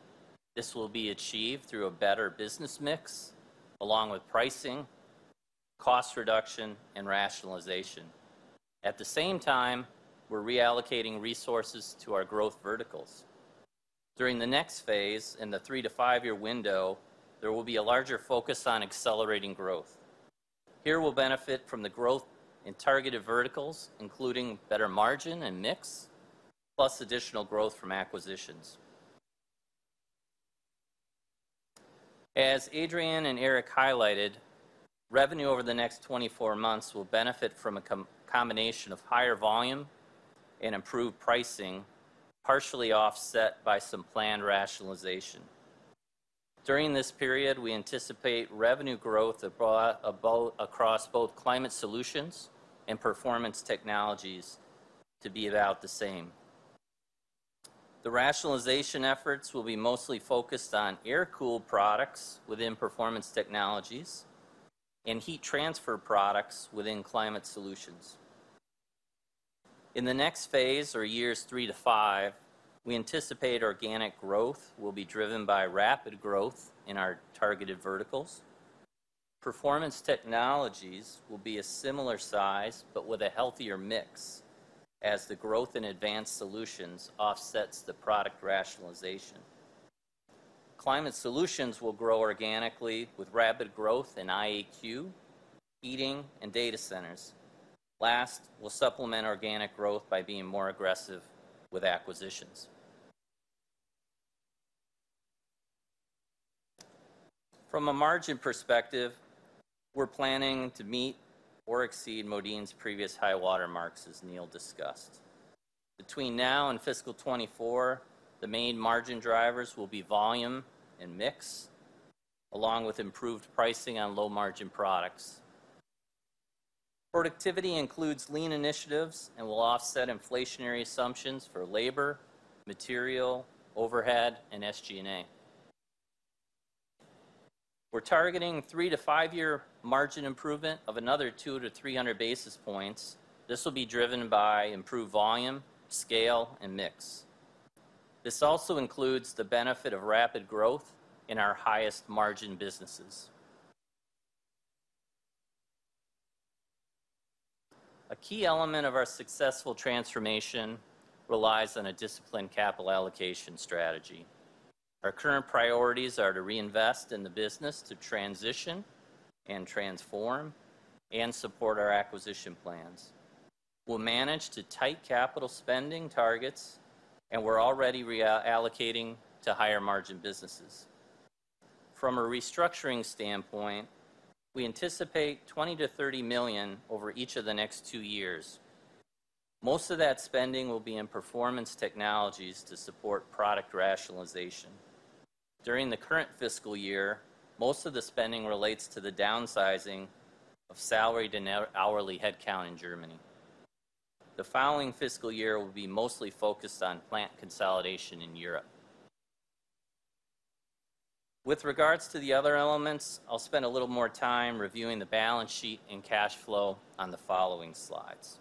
This will be achieved through a better business mix along with pricing, cost reduction, and rationalization. At the same time, we're reallocating resources to our growth verticals. During the next phase, in the three to five year window, there will be a larger focus on accelerating growth. Here we'll benefit from the growth in targeted verticals, including better margin and mix, plus additional growth from acquisitions. As Adrian and Eric highlighted, revenue over the next 24 months will benefit from a combination of higher volume and improved pricing, partially offset by some planned rationalization. During this period, we anticipate revenue growth across both Climate Solutions and Performance Technologies to be about the same. The rationalization efforts will be mostly focused on air-cooled products within Performance Technologies and heat transfer products within Climate Solutions. In the next phase or years three to five, we anticipate organic growth will be driven by rapid growth in our targeted verticals. Performance Technologies will be a similar size but with a healthier mix as the growth in advanced solutions offsets the product rationalization. Climate Solutions will grow organically with rapid growth in IAQ, heating, and data centers. Last, we'll supplement organic growth by being more aggressive with acquisitions. From a margin perspective, we're planning to meet or exceed Modine's previous high water marks, as Neil discussed. Between now and fiscal 2024, the main margin drivers will be volume and mix, along with improved pricing on low-margin products. Productivity includes lean initiatives and will offset inflationary assumptions for labor, material, overhead, and SG&A. We're targeting three to five year margin improvement of another 200 to 300 basis points. This will be driven by improved volume, scale, and mix. This also includes the benefit of rapid growth in our highest margin businesses. A key element of our successful transformation relies on a disciplined capital allocation strategy. Our current priorities are to reinvest in the business to transition and transform and support our acquisition plans. We'll manage to tight capital spending targets, and we're already reallocating to higher margin businesses. From a restructuring standpoint, we anticipate $20 to 30 million over each of the next two years. Most of that spending will be in Performance Technologies to support product rationalization. During the current fiscal year, most of the spending relates to the downsizing of salaried and hourly headcount in Germany. The following fiscal year will be mostly focused on plant consolidation in Europe. With regards to the other elements, I'll spend a little more time reviewing the balance sheet and cash flow on the following slides.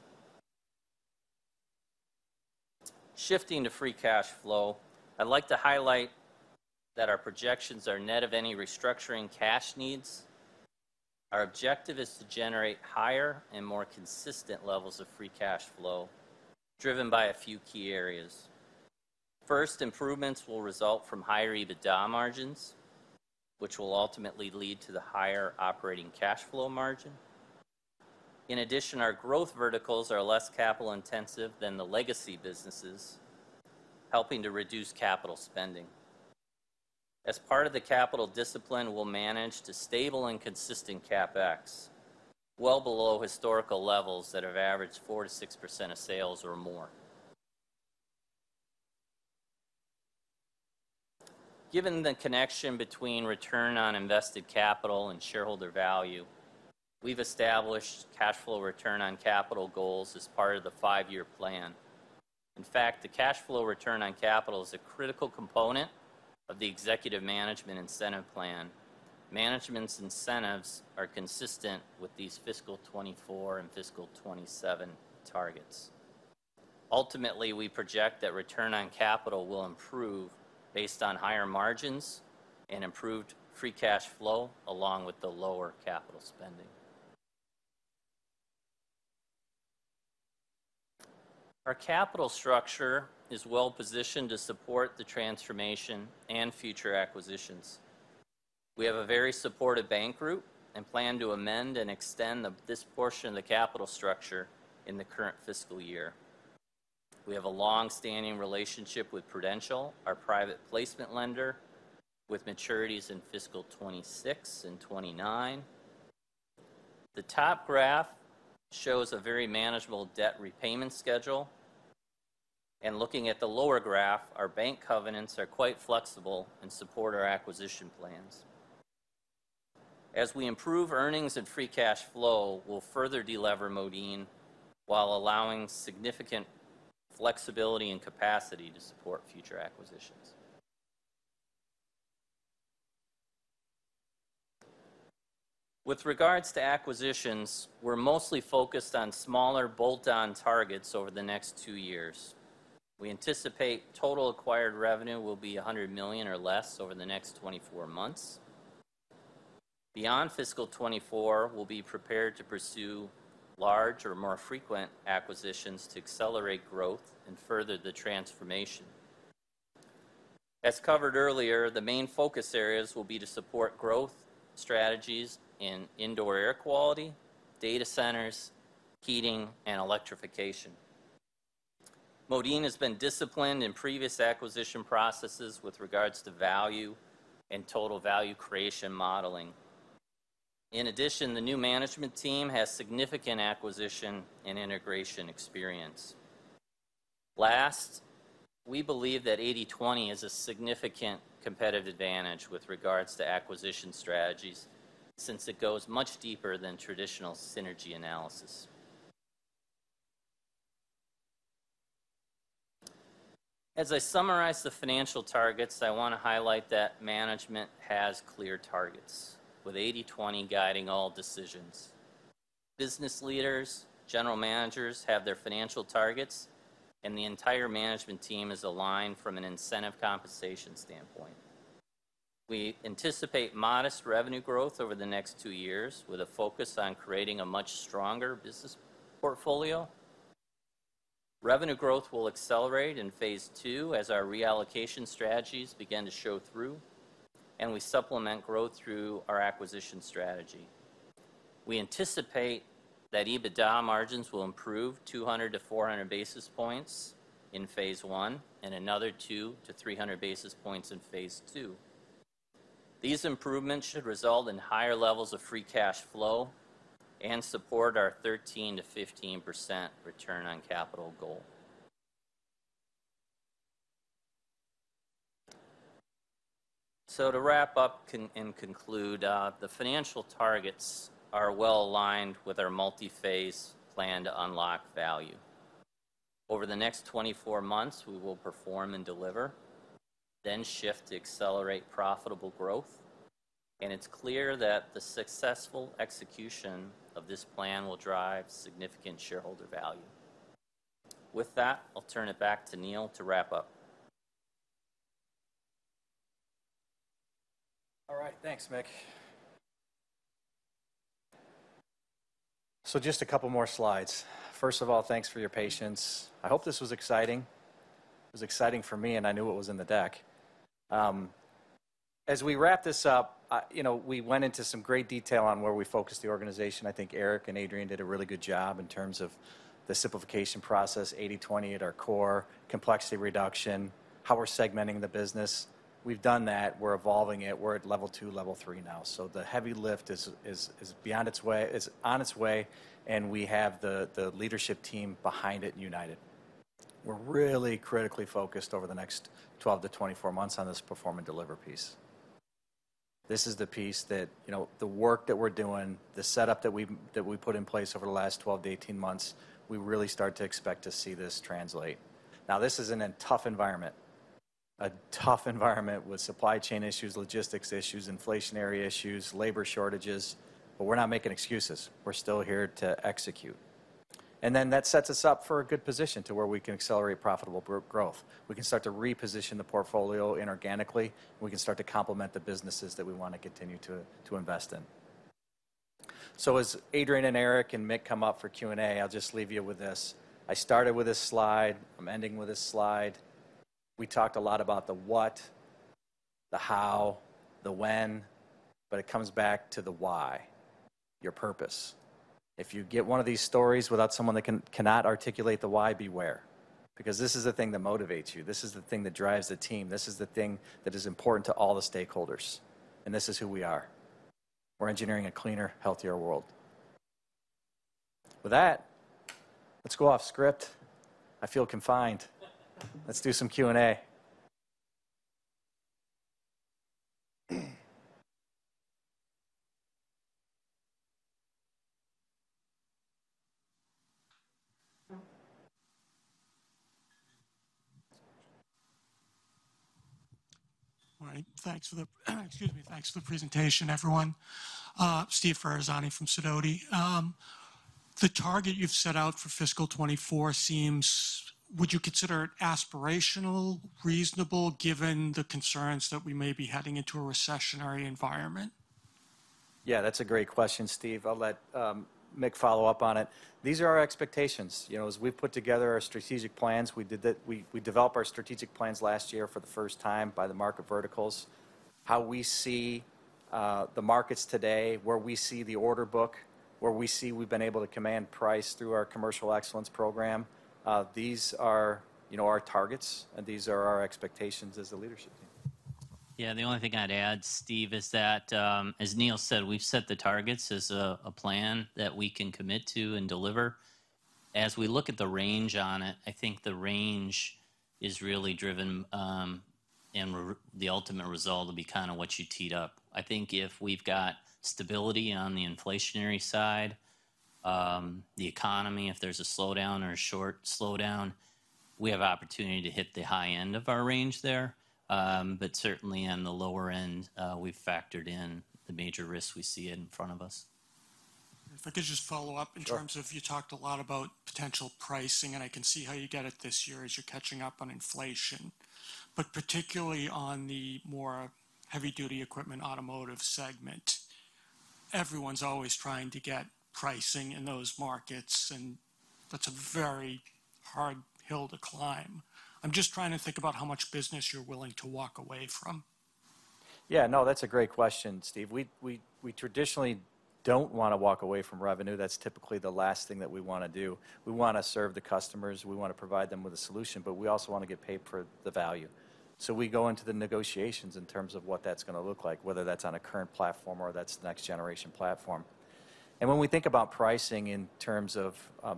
Shifting to free cash flow, I'd like to highlight that our projections are net of any restructuring cash needs. Our objective is to generate higher and more consistent levels of free cash flow driven by a few key areas. First, improvements will result from higher EBITDA margins, which will ultimately lead to the higher operating cash flow margin. In addition, our growth verticals are less capital-intensive than the legacy businesses, helping to reduce capital spending. As part of the capital discipline, we'll manage to stable and consistent CapEx, well below historical levels that have averaged 4% to 6% of sales or more. Given the connection between return on invested capital and shareholder value, we've established cash flow return on capital goals as part of the five-year plan. In fact, the cash flow return on capital is a critical component of the executive management incentive plan. Management's incentives are consistent with these fiscal 2024 and fiscal 2027 targets. Ultimately, we project that return on capital will improve based on higher margins and improved free cash flow along with the lower capital spending. Our capital structure is well-positioned to support the transformation and future acquisitions. We have a very supportive bank group and plan to amend and extend this portion of the capital structure in the current fiscal year. We have a long-standing relationship with Prudential, our private placement lender, with maturities in fiscal 2026 and 2029. The top graph shows a very manageable debt repayment schedule. Looking at the lower graph, our bank covenants are quite flexible and support our acquisition plans. As we improve earnings and free cash flow, we'll further de-lever Modine while allowing significant flexibility and capacity to support future acquisitions. With regards to acquisitions, we're mostly focused on smaller bolt-on targets over the next two years. We anticipate total acquired revenue will be $100 million or less over the next 24 months. Beyond fiscal 2024, we'll be prepared to pursue large or more frequent acquisitions to accelerate growth and further the transformation. As covered earlier, the main focus areas will be to support growth strategies in indoor air quality, data centers, heating, and electrification. Modine has been disciplined in previous acquisition processes with regards to value and total value creation modeling. In addition, the new management team has significant acquisition and integration experience. Last, we believe that 80/20 is a significant competitive advantage with regards to acquisition strategies since it goes much deeper than traditional synergy analysis. As I summarize the financial targets, I wanna highlight that management has clear targets, with 80/20 guiding all decisions. Business leaders, general managers have their financial targets, and the entire management team is aligned from an incentive compensation standpoint. We anticipate modest revenue growth over the next two years, with a focus on creating a much stronger business portfolio. Revenue growth will accelerate in phase II as our reallocation strategies begin to show through, and we supplement growth through our acquisition strategy. We anticipate that EBITDA margins will improve 200 to 400 basis points in phase I and another 200 to 300 basis points in phase II. These improvements should result in higher levels of free cash flow and support our 13% to 15% return on capital goal. To wrap up and conclude, the financial targets are well aligned with our multi-phase plan to unlock value. Over the next 24 months, we will perform and deliver, then shift to accelerate profitable growth, and it's clear that the successful execution of this plan will drive significant shareholder value. With that, I'll turn it back to Neil to wrap up. All right. Thanks, Mick. Just a couple more slides. First of all, thanks for your patience. I hope this was exciting. It was exciting for me, and I knew what was in the deck. As we wrap this up, you know, we went into some great detail on where we focus the organization i think Eric and Adrian did a really good job in terms of the simplification process, 80/20 at our core, complexity reduction, how we're segmenting the business. We've done that. We're evolving it we're at level 2, level 3 now so the heavy lift is on its way, and we have the leadership team behind it united. We're really critically focused over the next 12 to 24 months on this perform and deliver piece. This is the piece that, you know, the work that we're doing, the setup that we put in place over the last 12 to 18 months, we really start to expect to see this translate. Now, this is in a tough environment with supply chain issues, logistics issues, inflationary issues, labor shortages, but we're not making excuses. We're still here to execute. Then that sets us up for a good position to where we can accelerate profitable growth. We can start to reposition the portfolio inorganically. We can start to complement the businesses that we wanna continue to invest in. As Adrian and Eric and Mick come up for Q&A, I'll just leave you with this. I started with this slide. I'm ending with this slide. We talked a lot about the what, the how, the when, but it comes back to the why, your purpose. If you get one of these stories without someone that cannot articulate the why, beware, because this is the thing that motivates you this is the thing that drives the team. This is the thing that is important to all the stakeholders, and this is who we are. We're engineering a cleaner, healthier world. With that, let's go off script. I feel confined. Let's do some Q&A. All right. Thanks for the presentation, everyone. Steve Ferazani from SIDOTI & Company. The target you've set out for fiscal 2024 seems. Would you consider it aspirational, reasonable, given the concerns that we may be heading into a recessionary environment? Yeah, that's a great question, Steve. I'll let Mick follow up on it. These are our expectations. You know, as we put together our strategic plans, we developed our strategic plans last year for the first time by the market verticals, how we see the markets today, where we see the order book, where we see we've been able to command price through our commercial excellence program. These are, you know, our targets, and these are our expectations as a leadership team. Yeah. The only thing I'd add, Steve, is that, as Neil said, we've set the targets as a plan that we can commit to and deliver. As we look at the range on it, I think the range is really driven, the ultimate result will be kinda what you teed up. I think if we've got stability on the inflationary side, the economy, if there's a slowdown or a short slowdown, we have opportunity to hit the high end of our range there. Certainly on the lower end, we've factored in the major risks we see in front of us. If I could just follow up. Sure. In terms of you talked a lot about potential pricing, and I can see how you get it this year as you're catching up on inflation. Particularly on the more heavy-duty equipment Automotive segment, everyone's always trying to get pricing in those markets, and that's a very hard hill to climb. I'm just trying to think about how much business you're willing to walk away from. Yeah. No, that's a great question, Steve Ferazani we traditionally don't wanna walk away from revenue that's typically the last thing that we wanna do. We wanna serve the customers we wanna provide them with a solution, but we also wanna get paid for the value. So we go into the negotiations in terms of what that's gonna look like, whether that's on a current platform or that's the next generation platform. When we think about pricing in terms of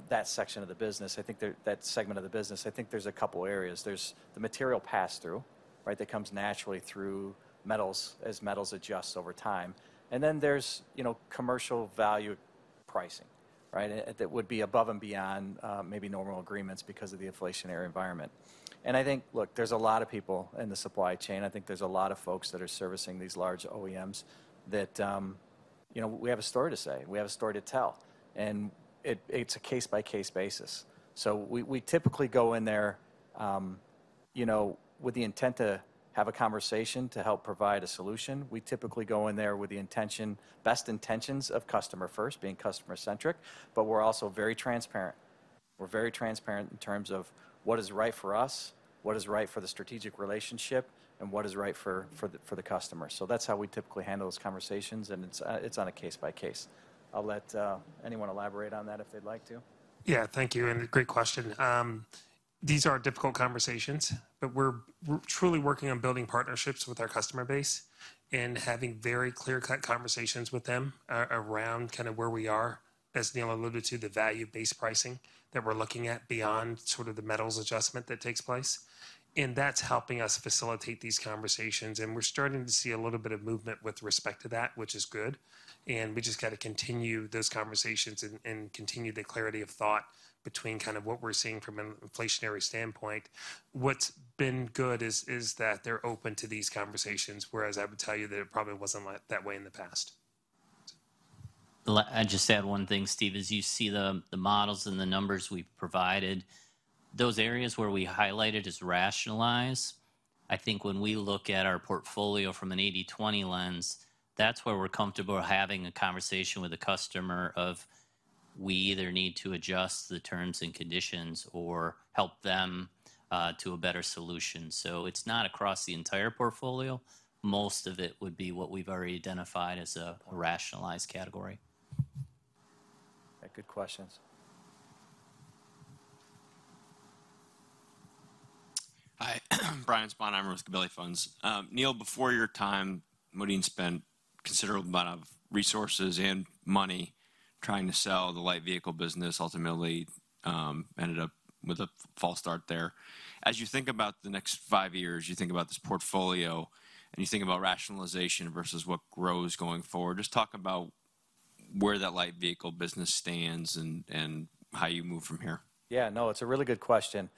that section of the business, I think that segment of the business, I think there's a couple areas there's the material pass-through, right, that comes naturally through metals as metals adjust over time. Then there's, you know, commercial value pricing, right? That would be above and beyond maybe normal agreements because of the inflationary environment. I think, look, there's a lot of people in the supply chain i think there's a lot of folks that are servicing these large OEMs that you know we have a story to say we have a story to tell. It's a case-by-case basis. We typically go in there you know with the intent to have a conversation to help provide a solution we typically go in there with the best intentions of customer first, being customer-centric, but we're also very transparent. We're very transparent in terms of what is right for us, what is right for the strategic relationship, and what is right for the customer that's how we typically handle those conversations, and it's on a case by case. I'll let anyone elaborate on that if they'd like to. Yeah. Thank you and great question. These are difficult conversations, but we're truly working on building partnerships with our customer base and having very clear-cut conversations with them around kinda where we are, as Neil alluded to, the value-based pricing that we're looking at beyond sort of the metals adjustment that takes place. That's helping us facilitate these conversations, and we're starting to see a little bit of movement with respect to that, which is good. We just gotta continue those conversations and continue the clarity of thought between kind of what we're seeing from an inflationary standpoint. What's been good is that they're open to these conversations, whereas I would tell you that it probably wasn't that way in the past. I'd just add one thing, Steve as you see the models and the numbers we've provided, those areas where we highlighted as rationalized, I think when we look at our portfolio from an 80/20 lens, that's where we're comfortable having a conversation with a customer if we either need to adjust the terms and conditions or help them to a better solution. It's not across the entire portfolio. Most of it would be what we've already identified as a rationalized category. Good questions. Hi. Brian Sponheimer. I'm with Gabelli Funds. Neil, before your time, Modine spent considerable amount of resources and money trying to sell the light vehicle business, ultimately ended up with a false start there. As you think about the next five years, you think about this portfolio, and you think about rationalization versus what grows going forward, just talk about where that light vehicle business stands and how you move from here. Yeah, no, it's a really good question.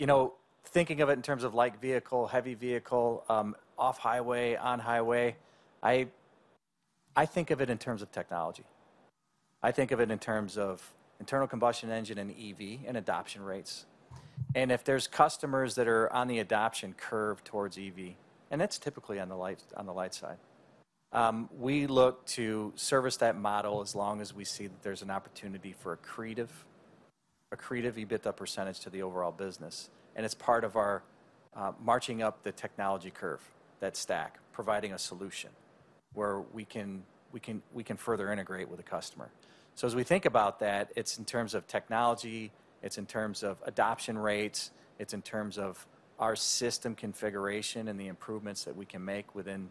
You know, thinking of it in terms of light vehicle, heavy vehicle, off-highway, on-highway, I think of it in terms of technology. I think of it in terms of internal combustion engine and EV and adoption rates. If there's customers that are on the adoption curve towards EV, and that's typically on the light side, we look to service that model as long as we see that there's an opportunity for accretive EBITDA percentage to the overall business. It's part of our marching up the technology curve, that stack, providing a solution where we can further integrate with the customer. As we think about that, it's in terms of technology, it's in terms of adoption rates, it's in terms of our system configuration and the improvements that we can make within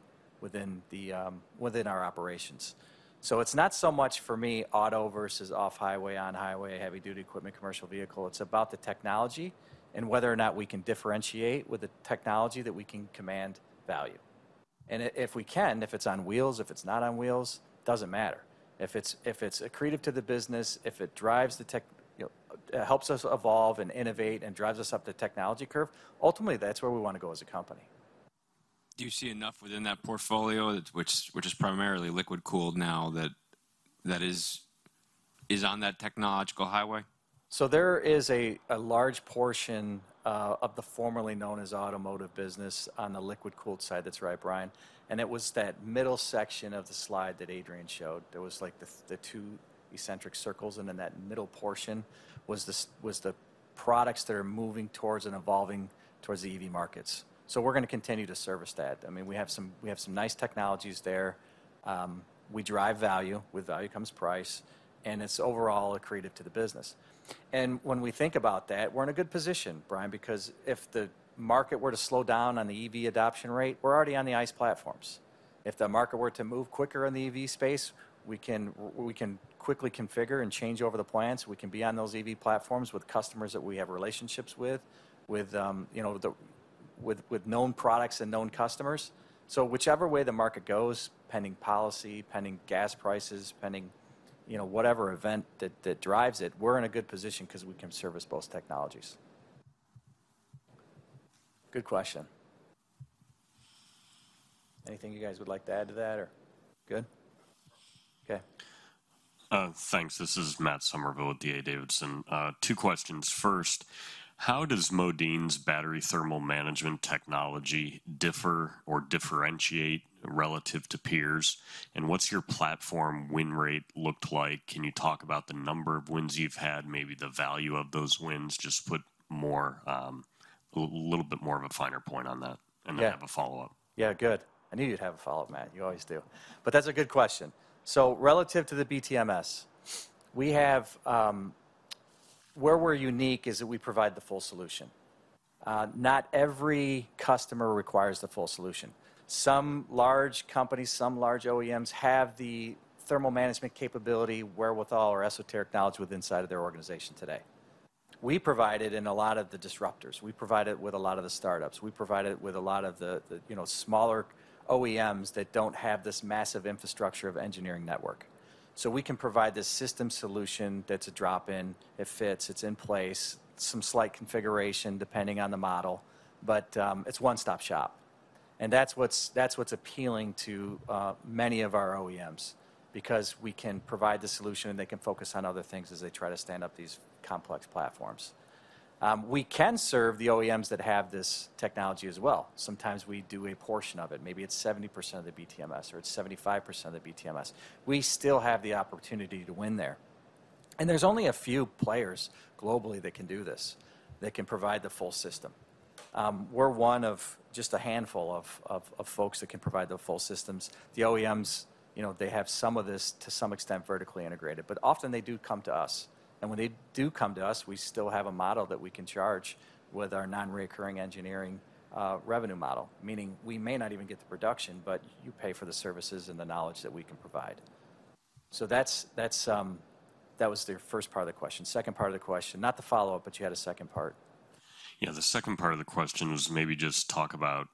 our operations. It's not so much for me auto versus off-highway, on-highway, heavy-duty equipment, commercial vehicle it's about the technology. And whether or not we can differentiate with the technology that we can command value. If we can, if it's on wheels, if it's not on wheels, doesn't matter. If it's accretive to the business, if it drives, you know, helps us evolve and innovate and drives us up the technology curve, ultimately, that's where we wanna go as a company. Do you see enough within that portfolio, which is primarily liquid-cooled now, that is on that technological highway? There is a large portion of the formerly known as automotive business on the liquid-cooled side that's right, Brian. It was that middle section of the slide that Adrian showed there was, like, the two eccentric circles, and in that middle portion was the products that are moving towards and evolving towards the EV markets. We're gonna continue to service that. I mean, we have some nice technologies there. We drive value with value comes price, and it's overall accretive to the business. When we think about that, we're in a good position, Brian, because if the market were to slow down on the EV adoption rate, we're already on the ICE platforms. If the market were to move quicker in the EV space, we can quickly configure and change over the plants we can be on those EV platforms with customers that we have relationships with.. You know, the, with known products and known customers. Whichever way the market goes, pending policy, pending gas prices, pending, you know, whatever event that drives it, we're in a good position 'cause we can service both technologies. Good question. Anything you guys would like to add to that or good? Okay. Thanks. This is Matt Summerville with D.A. Davidson. Two questions. First, how does Modine's battery thermal management technology differ or differentiate relative to peers? What's your platform win rate looked like? Can you talk about the number of wins you've had, maybe the value of those wins? Just put more, a little bit more of a finer point on that. Yeah. I have a follow-up. Yeah, good. I knew you'd have a follow-up, Matt you always do. That's a good question. Relative to the BTMS, where we're unique is that we provide the full solution. Not every customer requires the full solution. Some large companies, some large OEMs have the thermal management capability wherewithal or esoteric knowledge within their organization today. We provide it in a lot of the disruptors we provide it with a lot of the startups we provide it with a lot of the you know, smaller OEMs that don't have this massive infrastructure of engineering network. We can provide this system solution that's a drop-in, it fits, it's in place, some slight configuration depending on the model, but it's one stop shop. That's what's appealing to many of our OEMs because we can provide the solution and they can focus on other things as they try to stand up these complex platforms. We can serve the OEMs that have this technology as well. Sometimes we do a portion of it maybe it's 70% of the BTMS or it's 75% of the BTMS. We still have the opportunity to win there. There's only a few players globally that can do this, that can provide the full system. We're one of just a handful of folks that can provide the full systems. The OEMs, you know, they have some of this to some extent vertically integrated, but often they do come to us. When they do come to us, we still have a model that we can charge with our non-recurring engineering revenue model, meaning we may not even get the production, but you pay for the services and the knowledge that we can provide. That's that was the first part of the question second part of the question, not the follow-up, but you had a second part. Yeah, the second part of the question was maybe just talk about,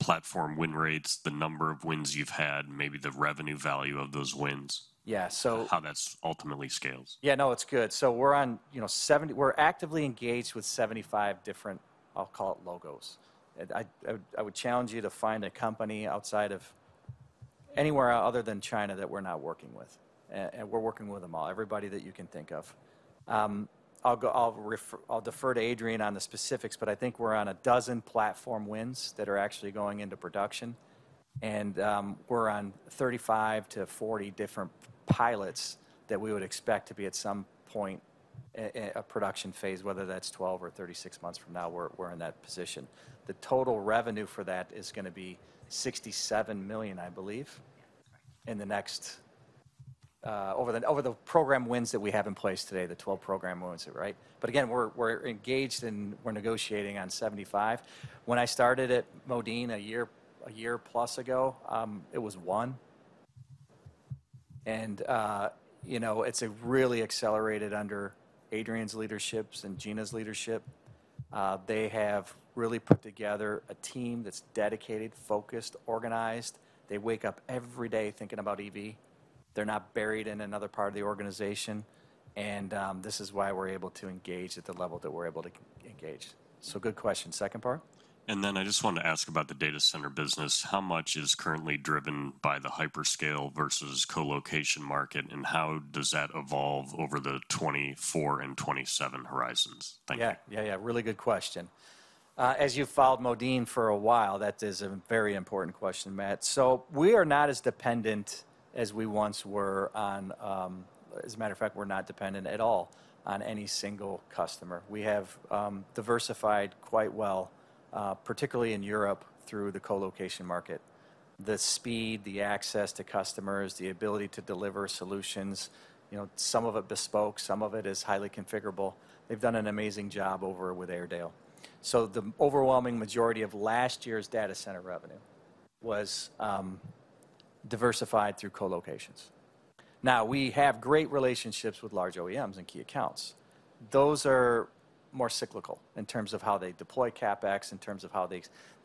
platform win rates, the number of wins you've had, maybe the revenue value of those wins. Yeah. How that ultimately scales? Yeah, no, it's good. We're actively engaged with 75 different, I'll call it logos. I would challenge you to find a company outside of anywhere other than China that we're not working with. And we're working with them all, everybody that you can think of. I'll defer to Adrian on the specifics, but I think we're on 12 platform wins that are actually going into production. We're on 35 to 40 different pilots that we would expect to be at some point a production phase, whether that's 12 or 36 months from now, we're in that position. The total revenue for that is gonna be $67 million, I believe, in the next, over the program wins that we have in place today, the 12 program wins, right? Again, we're engaged and we're negotiating on 75. When I started at Modine a year plus ago, it was one. You know, it's really accelerated under Adrian's leadership and Gina's leadership. They have really put together a team that's dedicated, focused, organized. They wake up every day thinking about EV. They're not buried in another part of the organization. This is why we're able to engage at the level that we're able to engage. Good question. Second part? I just wanted to ask about the data center business. How much is currently driven by the hyperscale versus colocation market? and how does that evolve over the 2024 and 2027 horizons? Thank you. Yeah. Really good question. As you've followed Modine for a while, that is a very important question, Matt. We are not as dependent as we once were on. As a matter of fact, we're not dependent at all on any single customer we have diversified quite well, particularly in Europe through the colocation market. The speed, the access to customers, the ability to deliver solutions, you know, some of it bespoke, some of it is highly configurable. They've done an amazing job over with Airedale. The overwhelming majority of last year's data center revenue was diversified through colocations. Now, we have great relationships with large OEMs and key accounts. Those are more cyclical in terms of how they deploy CapEx, in terms of how they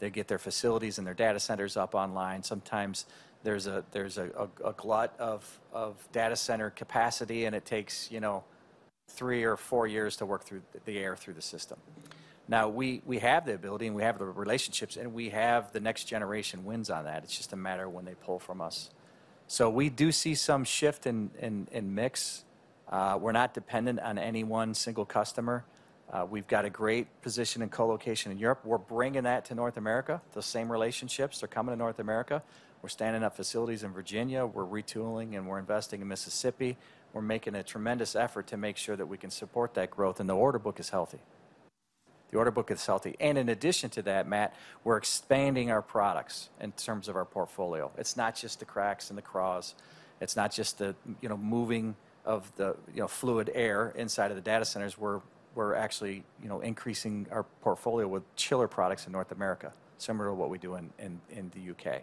get their facilities and their data centers up online sometimes there's a glut of data center capacity, and it takes, you know, three or four years to work through the system. Now, we have the ability, and we have the relationships, and we have the next generation wins on that it's just a matter of when they pull from us. We do see some shift in mix. We're not dependent on any one single customer. We've got a great position in colocation in Europe we're bringing that to North America. Those same relationships are coming to North America. We're standing up facilities in Virginia we're retooling, and we're investing in Mississippi. We're making a tremendous effort to make sure that we can support that growth, and the order book is healthy. In addition to that, Matt, we're expanding our products in terms of our portfolio. It's not just the CRACs and the CRAHs. It's not just the, you know, moving of the, you know, fluid air inside of the data centers. We're actually, you know, increasing our portfolio with chiller products in North America, similar to what we do in the UK.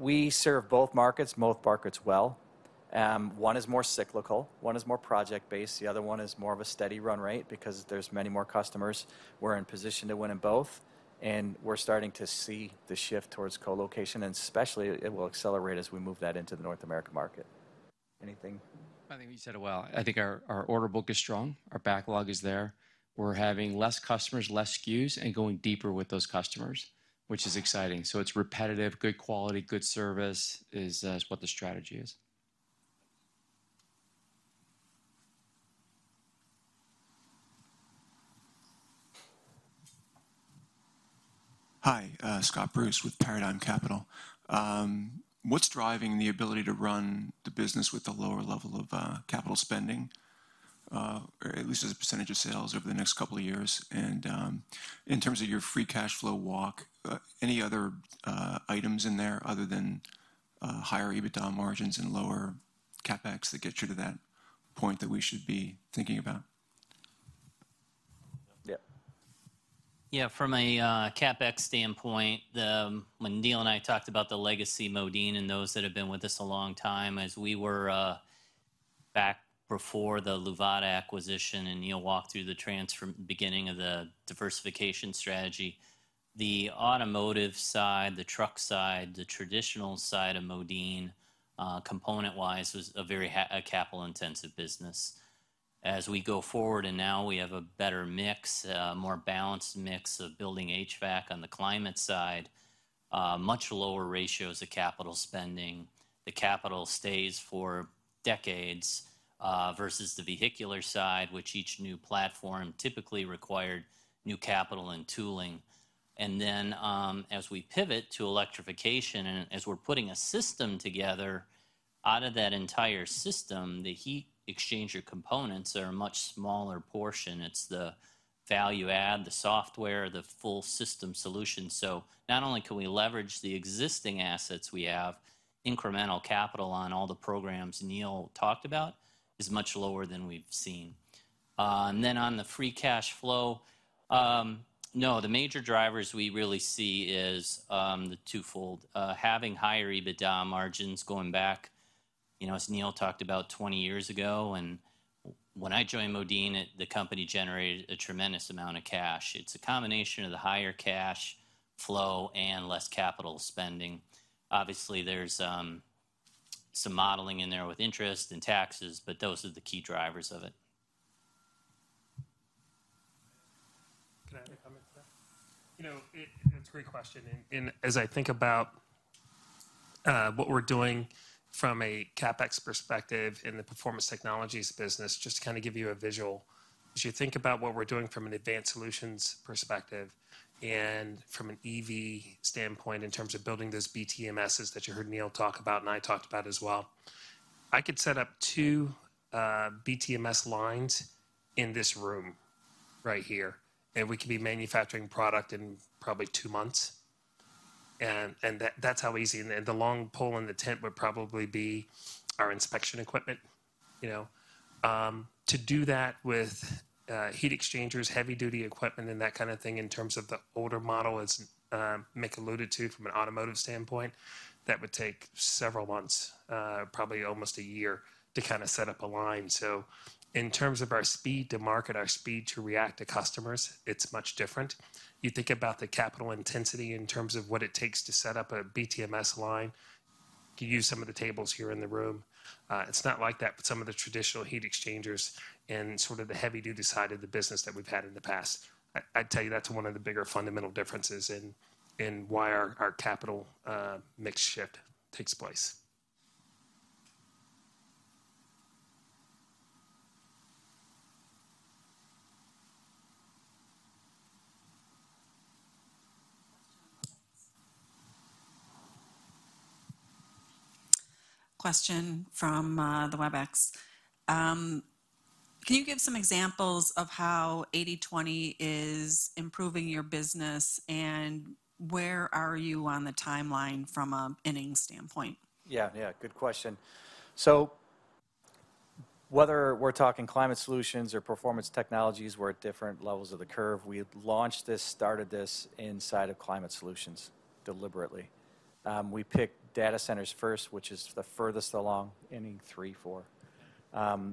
We serve both markets well. One is more cyclical, one is more project-based the other one is more of a steady run rate because there's many more customers. We're in position to win in both, and we're starting to see the shift towards colocation, and especially it will accelerate as we move that into the North America market. Anything? I think you said it well. I think our order book is strong. Our backlog is there. We're having less customers, less SKUs, and going deeper with those customers, which is exciting it's repetitive, good quality, good service is what the strategy is. Hi, Scott Bruce with Paradigm Capital. What's driving the ability to run the business with a lower level of capital spending? or at least as a percentage of sales over the next couple of years? In terms of your free cash flow walk, any other items in there other than higher EBITDA margins and lower CapEx that get you to that point that we should be thinking about? Yeah. Yeah, from a CapEx standpoint, when Neil and I talked about the legacy Modine and those that have been with us a long time as we were back before the Luvata acquisition, and Neil walked through the beginning of the diversification strategy, the automotive side, the truck side, the traditional side of Modine, component-wise was a very capital intensive business. As we go forward, and now we have a better mix, a more balanced mix of building HVAC on the climate side, much lower ratios of capital spending. The capital stays for decades, versus the vehicular side, which each new platform typically required new capital and tooling. As we pivot to electrification and as we're putting a system together, out of that entire system, the heat exchanger components are a much smaller portion it's the value add, the software, the full system solution. Not only can we leverage the existing assets we have, incremental capital on all the programs Neil talked about is much lower than we've seen. On the free cash flow, the major drivers we really see is the twofold, having higher EBITDA margins going back, you know, as Neil talked about 20 years ago. When I joined Modine, the company generated a tremendous amount of cash it's a combination of the higher cash flow and less capital spending. Obviously, there's some modeling in there with interest and taxes, but those are the key drivers of it. Can I add a comment to that? You know, that's a great question as I think about what we're doing from a CapEx perspective in the Performance Technologies business, just to kind of give you a visual. As you think about what we're doing from an advanced solutions perspective and from an EV standpoint in terms of building those BTMSs that you heard Neil talk about and I talked about as well, I could set up two BTMS lines, in this room right here, and we could be manufacturing product in probably two months. That's how easy the long pole in the tent would probably be our inspection equipment, you know. To do that with heat exchangers, heavy duty equipment and that kind of thing in terms of the older model, as Mick alluded to from an automotive standpoint, that would take several months, probably almost a year to kind of set up a line. In terms of our speed to market, our speed to react to customers, it's much different. You think about the capital intensity in terms of what it takes to set up a BTMS line. You use some of the tables here in the room. It's not like that with some of the traditional heat exchangers and sort of the heavy-duty side of the business that we've had in the past. I'd tell you that's one of the bigger fundamental differences in why our capital mix shift takes place. Question from the WebEx. Can you give some examples of how 80/20 is improving your business, and where are you on the timeline from an inning standpoint? Yeah, yeah. Good question. Whether we're talking Climate Solutions or Performance Technologies, we're at different levels of the curve. We had launched this, started this inside of Climate Solutions deliberately. We picked data centers first, which is the furthest along, inning three, four.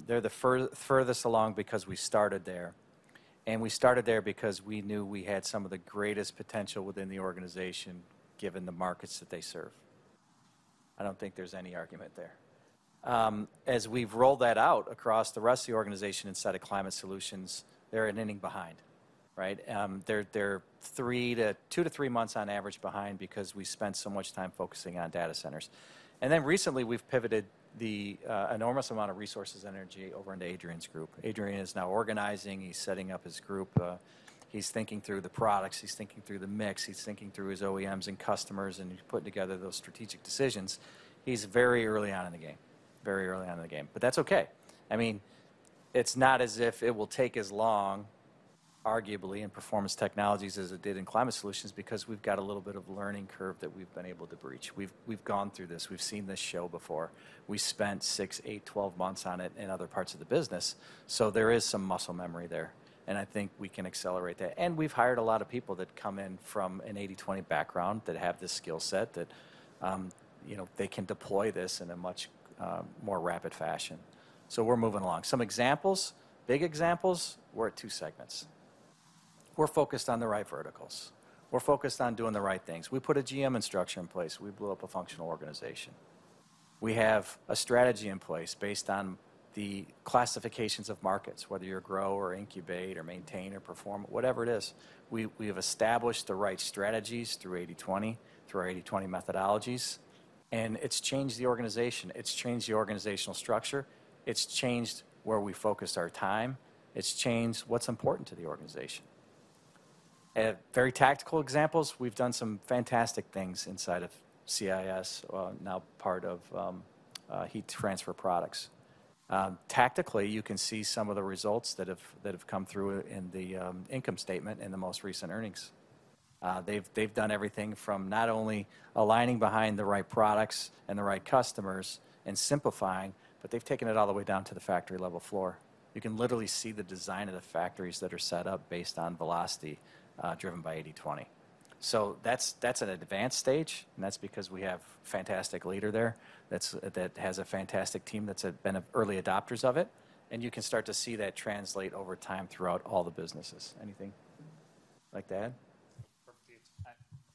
They're the furthest along because we started there, and we started there because we knew we had some of the greatest potential within the organization given the markets that they serve. I don't think there's any argument there. As we've rolled that out across the rest of the organization inside of Climate Solutions, they're an inning behind, right? They're two to three months on average behind because we spent so much time focusing on data centers. Then recently we've pivoted the enormous amount of resources and energy over into Adrian's group. Adrian is now organizing. He's setting up his group. He's thinking through the products he's thinking through the mix he's thinking through his OEMs and customers, and he's putting together those strategic decisions. He's very early on in the game. That's okay. I mean, it's not as if it will take as long, arguably, in Performance Technologies as it did in Climate Solutions because we've got a little bit of learning curve that we've been able to breach we've gone through this we've seen this show before. We spent six, eight, 12 months on it in other parts of the business. There is some muscle memory there, and I think we can accelerate that we've hired a lot of people that come in from an 80/20 background that have this skill set that, you know, they can deploy this in a much, more rapid fashion. We're moving along some examples, big examples, we're at two segments. We're focused on the right verticals. We're focused on doing the right things we put a GM and structure in place we blew up a functional organization. We have a strategy in place based on the classifications of markets, whether you're grow or incubate or maintain or perform, whatever it is. We have established the right strategies through 80/20, through our 80/20 methodologies, and it's changed the organization it's changed the organizational structure. It's changed where we focus our time. It's changed what's important to the organization. At very tactical examples, we've done some fantastic things inside of CIS, now part of Heat Transfer Products. Tactically, you can see some of the results that have come through in the income statement in the most recent earnings. They've done everything from not only aligning behind the right products and the right customers and simplifying, but they've taken it all the way down to the factory level floor. You can literally see the design of the factories that are set up based on velocity, driven by 80/20. That's an advanced stage, and that's because we have fantastic leader there that has a fantastic team that's been early adopters of it. You can start to see that translate over time throughout all the businesses. Anything you'd like to add? Perfect.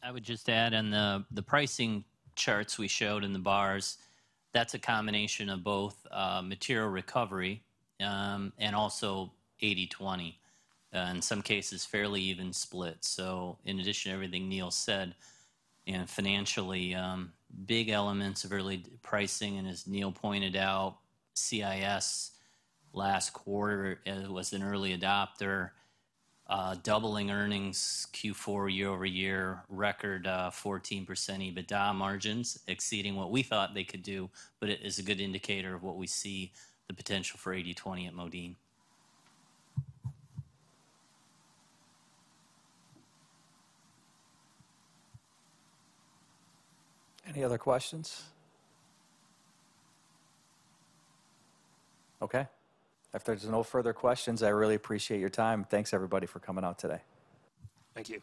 I would just add on the pricing charts we showed and the bars, that's a combination of both, material recovery, and also 80/20. In some cases, fairly even split. In addition to everything Neil said, you know, financially, big elements of early pricing, and as Neil pointed out, CIS last quarter was an early adopter, doubling earnings Q4 year-over-year, record 14% EBITDA margins exceeding what we thought they could do. It is a good indicator of what we see the potential for 80/20 at Modine. Any other questions? Okay. If there's no further questions, I really appreciate your time thanks everybody for coming out today. Thank you. Thank you.